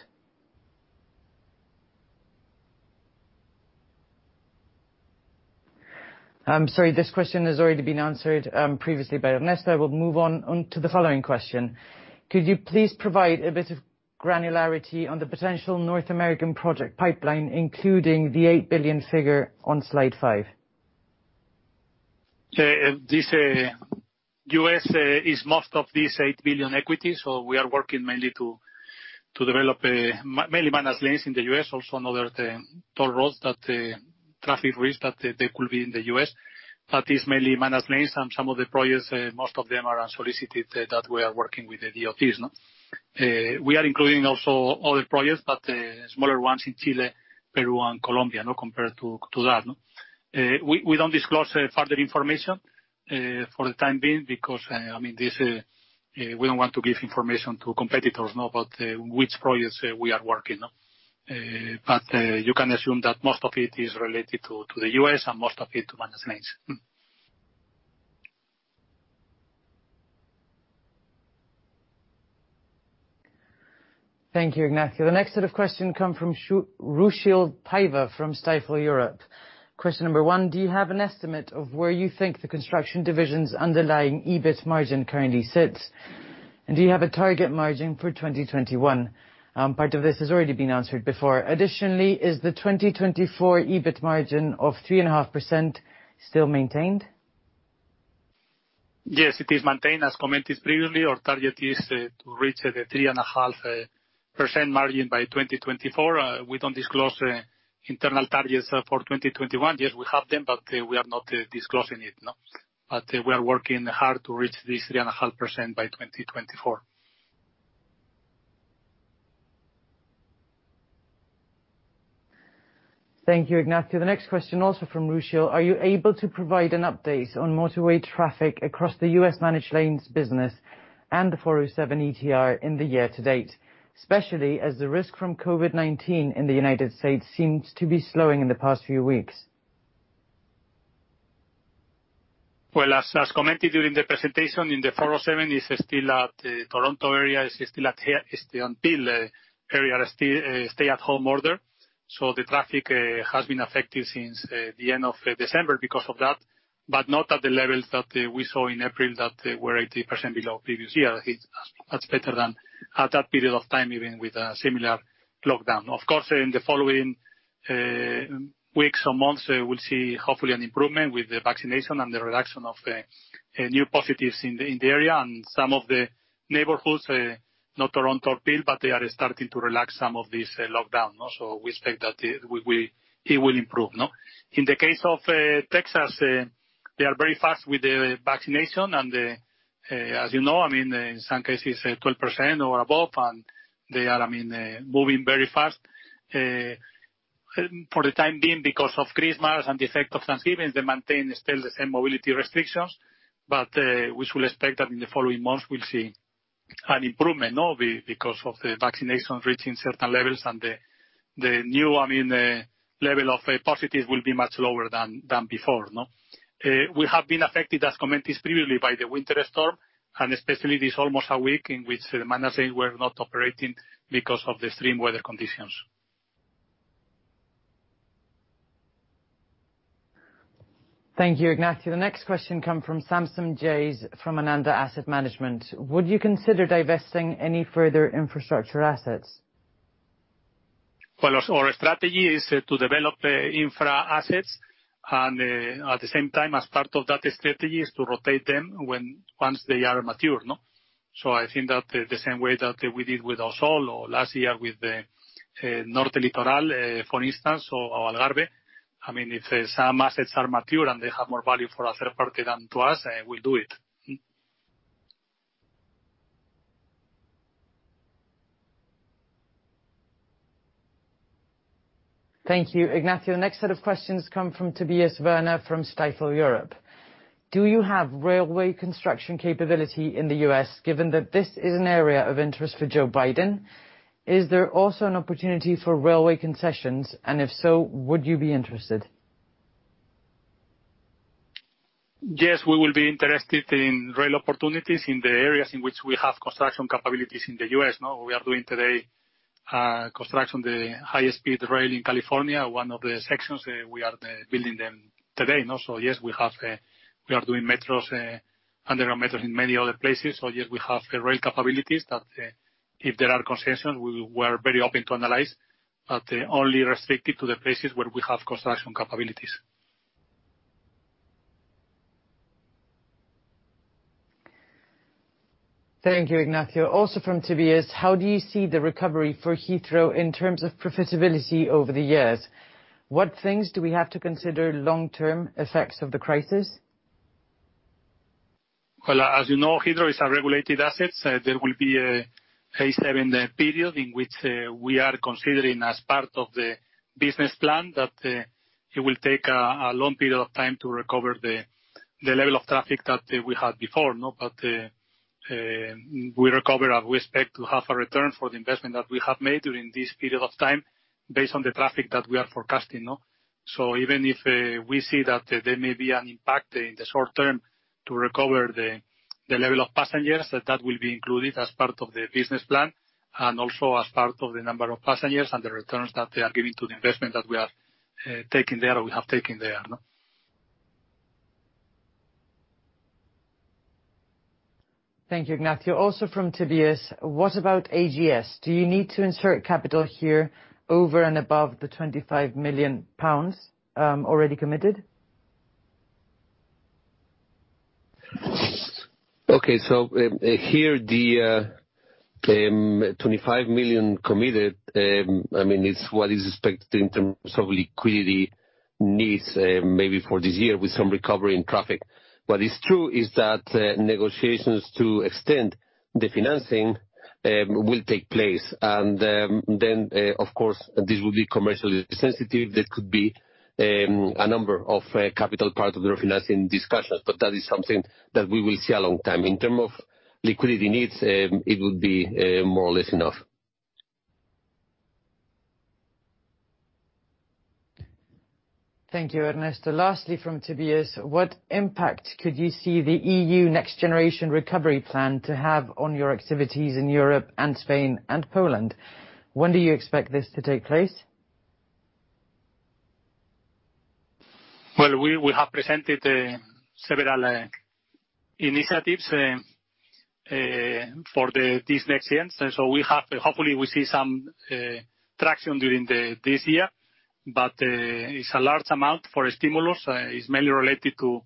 I'm sorry, this question has already been answered previously by Ernesto. We'll move on to the following question. Could you please provide a bit of granularity on the potential North American project pipeline, including the $8 billion figure on slide five? U.S. is most of this $8 billion equity. We are working mainly to develop managed lanes in the U.S., also another toll roads that traffic risk that they could be in the U.S. It's mainly managed lanes and some of the projects, most of them are unsolicited that we are working with the DOTs. We are including also other projects, but smaller ones in Chile, Peru, and Colombia, compared to that. We don't disclose further information for the time being because we don't want to give information to competitors now about which projects we are working. You can assume that most of it is related to the U.S., and most of it to managed lanes.. Thank you, Ignacio. The next set of questions come from Ruchil Paiva from Stifel Europe. Question number one, do you have an estimate of where you think the construction division's underlying EBIT margin currently sits? Do you have a target margin for 2021? Part of this has already been answered before. Additionally, is the 2024 EBIT margin of 3.5% still maintained? Yes, it is maintained. As commented previously, our target is to reach the 3.5% margin by 2024. We don't disclose internal targets for 2021 yet. We have them, but we are not disclosing it. We are working hard to reach this 3.5% by 2024. Thank you, Ignacio. The next question, also from Ruchil. Are you able to provide an update on motorway traffic across the U.S. managed lanes business and the 407 ETR in the year to date, especially as the risk from COVID-19 in the United States seems to be slowing in the past few weeks? Well, as commented during the presentation, in the 407, it's still at Toronto area. It's the Ontario stay-at-home order. The traffic has been affected since the end of December because of that, but not at the levels that we saw in April that were 80% below previous year. That's better than at that period of time, even with a similar lockdown. Of course, in the following weeks or months, we'll see hopefully an improvement with the vaccination and the reduction of new positives in the area and some of the neighborhoods, not Toronto or Peel, but they are starting to relax some of this lockdown. We expect that it will improve. In the case of Texas. They are very fast with the vaccination, and as you know, in some cases, 12% or above, and they are moving very fast. For the time being, because of Christmas and the effect of Thanksgiving, they maintain still the same mobility restrictions. We should expect that in the following months, we'll see an improvement because of the vaccinations reaching certain levels and the new level of positives will be much lower than before. We have been affected, as commented previously, by the winter storm, and especially this almost a week in which the mandatory mode were not operating because of the extreme weather conditions. Thank you, Ignacio. The next question come from Samson Jayes, From Ananda Asset Management. Would you consider divesting any further infrastructure assets? Well, our strategy is to develop infra assets, and at the same time, as part of that strategy, is to rotate them once they are mature. I think that the same way that we did with Ausol or last year with the Norte Litoral, for instance, or Algarve. If some assets are mature and they have more value for a third party than to us, we'll do it. Thank you, Ignacio. Next set of questions come from Tobias Woerner from Stifel Europe. Do you have railway construction capability in the U.S., given that this is an area of interest for Joe Biden? Is there also an opportunity for railway concessions? If so, would you be interested? Yes, we will be interested in rail opportunities in the areas in which we have construction capabilities in the U.S. We are doing today construction, the highest speed rail in California, one of the sections, we are building them today. Yes, we are doing metros, underground metros in many other places. Yes, we have rail capabilities that if there are concessions, we're very open to analyze, but only restricted to the places where we have construction capabilities. Thank you, Ignacio. Also from Tobias, how do you see the recovery for Heathrow in terms of profitability over the years? What things do we have to consider long-term effects of the crisis? As you know, Heathrow is a regulated asset. There will be a H7 period in which we are considering as part of the business plan that it will take a long period of time to recover the level of traffic that we had before. We recover and we expect to have a return for the investment that we have made during this period of time based on the traffic that we are forecasting. Even if we see that there may be an impact in the short term to recover the level of passengers, that will be included as part of the business plan, and also as part of the number of passengers and the returns that they are giving to the investment that we are taking there or we have taken there. Thank you, Ignacio. Also from Tobias, what about AGS? Do you need to insert capital here over and above the 25 million pounds already committed? Okay. Here the 25 million committed, it's what is expected in terms of liquidity needs, maybe for this year, with some recovery in traffic. What is true is that negotiations to extend the financing will take place, of course, this will be commercially sensitive. There could be a number of capital part of the refinancing discussions, that is something that we will see a long time. In terms of liquidity needs, it would be more or less enough. Thank you, Ernesto. Lastly, from Tobias, what impact could you see the EU Next Generation Recovery Plan to have on your activities in Europe and Spain and Poland? When do you expect this to take place? We have presented several initiatives for these next years. Hopefully, we see some traction during this year. It's a large amount for a stimulus. It's mainly related to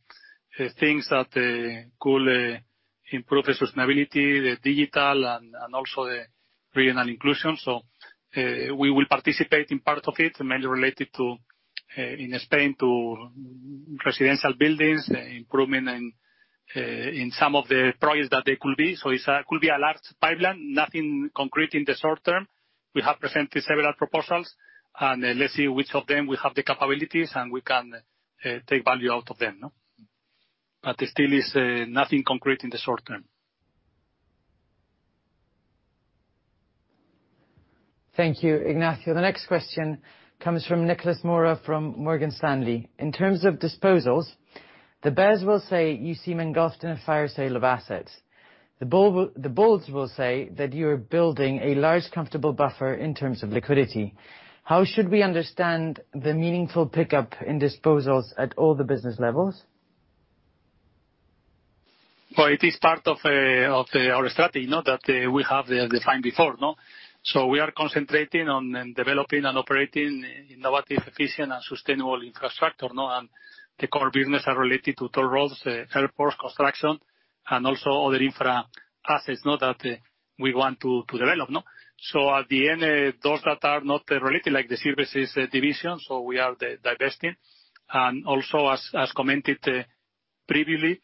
things that could improve the sustainability, the digital, and also the regional inclusion. We will participate in part of it, mainly related to, in Spain, to residential buildings, improvement in some of the projects that there could be. It could be a large pipeline, nothing concrete in the short term. We have presented several proposals, and let's see which of them we have the capabilities, and we can take value out of them. Still is nothing concrete in the short term. Thank you, Ignacio. The next question comes from Nicolas Mora from Morgan Stanley. In terms of disposals, the bears will say you seem engulfed in a fire sale of assets. The bulls will say that you're building a large, comfortable buffer in terms of liquidity. How should we understand the meaningful pickup in disposals at all the business levels? Well, it is part of our strategy that we have defined before. We are concentrating on developing and operating innovative, efficient, and sustainable infrastructure. The core business are related to toll roads, airports, construction and also other infra assets that we want to develop. At the end, those that are not related, like the services division, so we are divesting. Also as commented previously,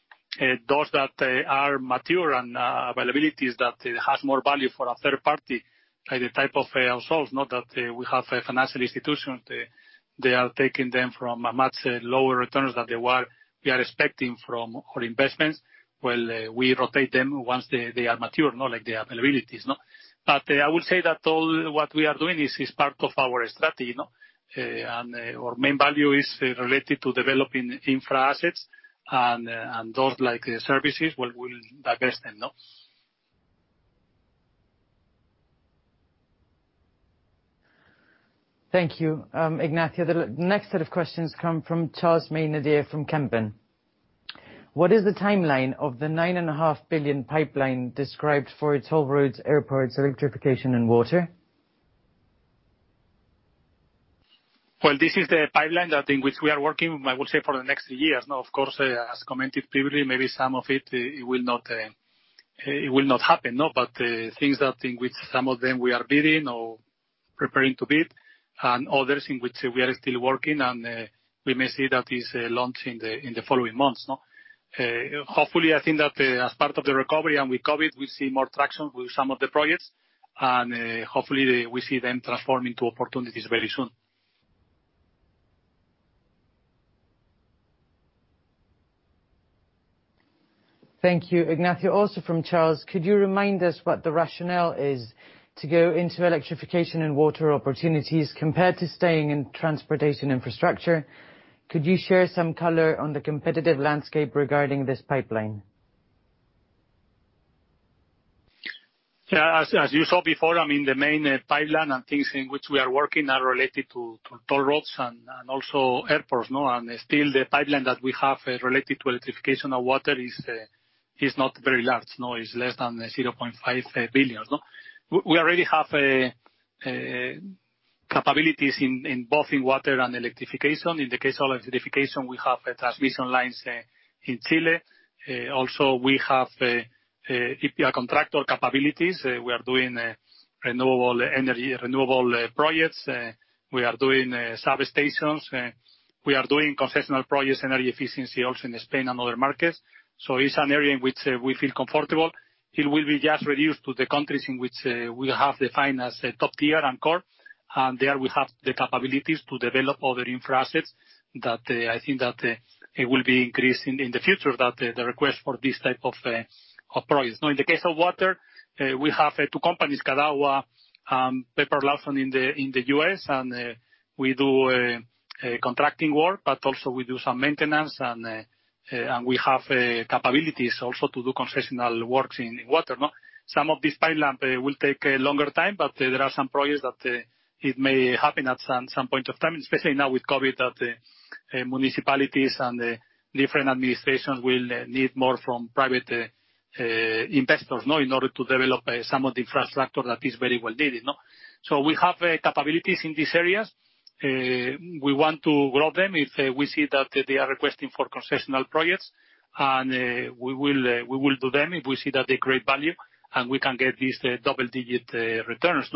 those that are mature and availabilities that it has more value for a third party, like the type of ourselves, now that we have financial institutions, they are taking them from a much lower returns than they were, we are expecting from our investments, while we rotate them once they are mature, like the availabilities. I would say that all what we are doing is part of our strategy. Our main value is related to developing infra assets and those like services, well, we'll divest them. Thank you, Ignacio. The next set of questions come from Charles Maynadier from Kempen. What is the timeline of the 9.5 billion pipeline described for toll roads, airports, electrification, and water? Well, this is the pipeline, I think, which we are working, I would say for the next years. Of course, as commented previously, maybe some of it will not happen. Things I think with some of them we are bidding or preparing to bid, and others in which we are still working, and we may see that is launched in the following months. Hopefully, I think that as part of the recovery and with COVID, we'll see more traction with some of the projects, and hopefully we see them transform into opportunities very soon. Thank you, Ignacio. Also from Charles, could you remind us what the rationale is to go into electrification and water opportunities compared to staying in transportation infrastructure? Could you share some color on the competitive landscape regarding this pipeline? As you saw before, the main pipeline and things in which we are working are related to toll roads and also airports. Still the pipeline that we have related to electrification and water is not very large. It's less than 0.5 billion. We already have capabilities both in water and electrification. In the case of electrification, we have transmission lines in Chile. Also we have EPC contractor capabilities. We are doing renewable energy, renewable projects. We are doing service stations. We are doing concessional projects, energy efficiency also in Spain and other markets. It's an area in which we feel comfortable. It will be just reduced to the countries in which we have defined as top tier and core, and there we have the capabilities to develop other infra assets that I think that it will be increased in the future, that the request for this type of projects. Now in the case of water, we have two companies, Cadagua and Pepper Lawson in the U.S., and we do contracting work, but also we do some maintenance and we have capabilities also to do concessional works in water. Some of this pipeline will take a longer time, but there are some projects that it may happen at some point of time, especially now with COVID, that municipalities and different administrations will need more from private investors in order to develop some of the infrastructure that is very well needed. So we have capabilities in these areas. We want to grow them if we see that they are requesting for concessional projects, and we will do them if we see that they create value and we can get these double-digit returns.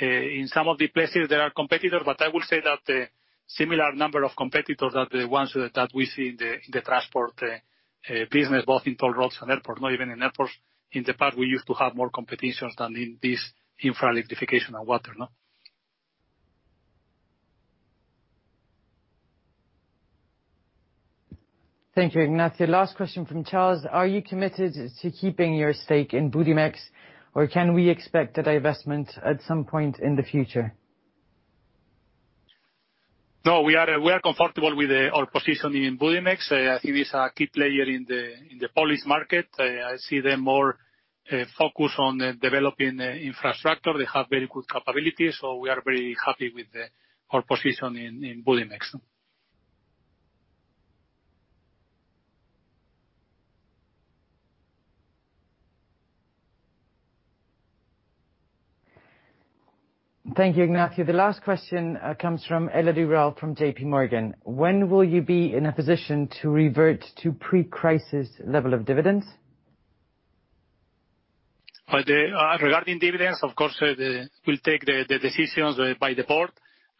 In some of the places there are competitors, but I will say that similar number of competitors are the ones that we see in the transport business, both in toll roads and airport. Even in airports, in the past we used to have more competitions than in this infra electrification and water. Thank you, Ignacio. Last question from Charles. Are you committed to keeping your stake in Budimex, or can we expect a divestment at some point in the future? No, we are comfortable with our position in Budimex. I think it's a key player in the Polish market. I see them more focused on developing infrastructure. They have very good capabilities. We are very happy with our position in Budimex. Thank you, Ignacio. The last question comes from Elodie Rall from J.P. Morgan. When will you be in a position to revert to pre-crisis level of dividends? Regarding dividends, of course, will take the decisions by the board,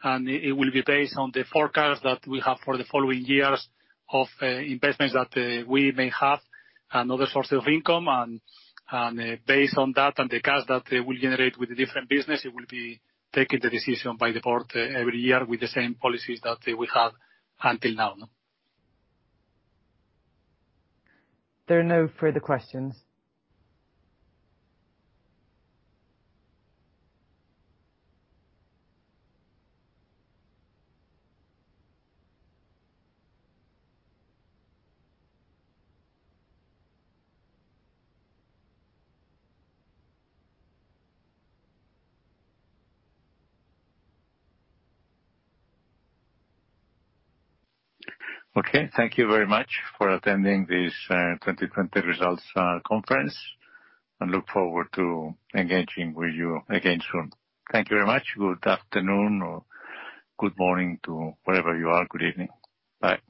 and it will be based on the forecast that we have for the following years of investments that we may have and other sources of income. Based on that and the cash that they will generate with the different business, it will be taking the decision by the board every year with the same policies that we have until now. There are no further questions. Okay, thank you very much for attending this 2020 results conference. Look forward to engaging with you again soon. Thank you very much. Good afternoon or good morning to wherever you are. Good evening. Bye.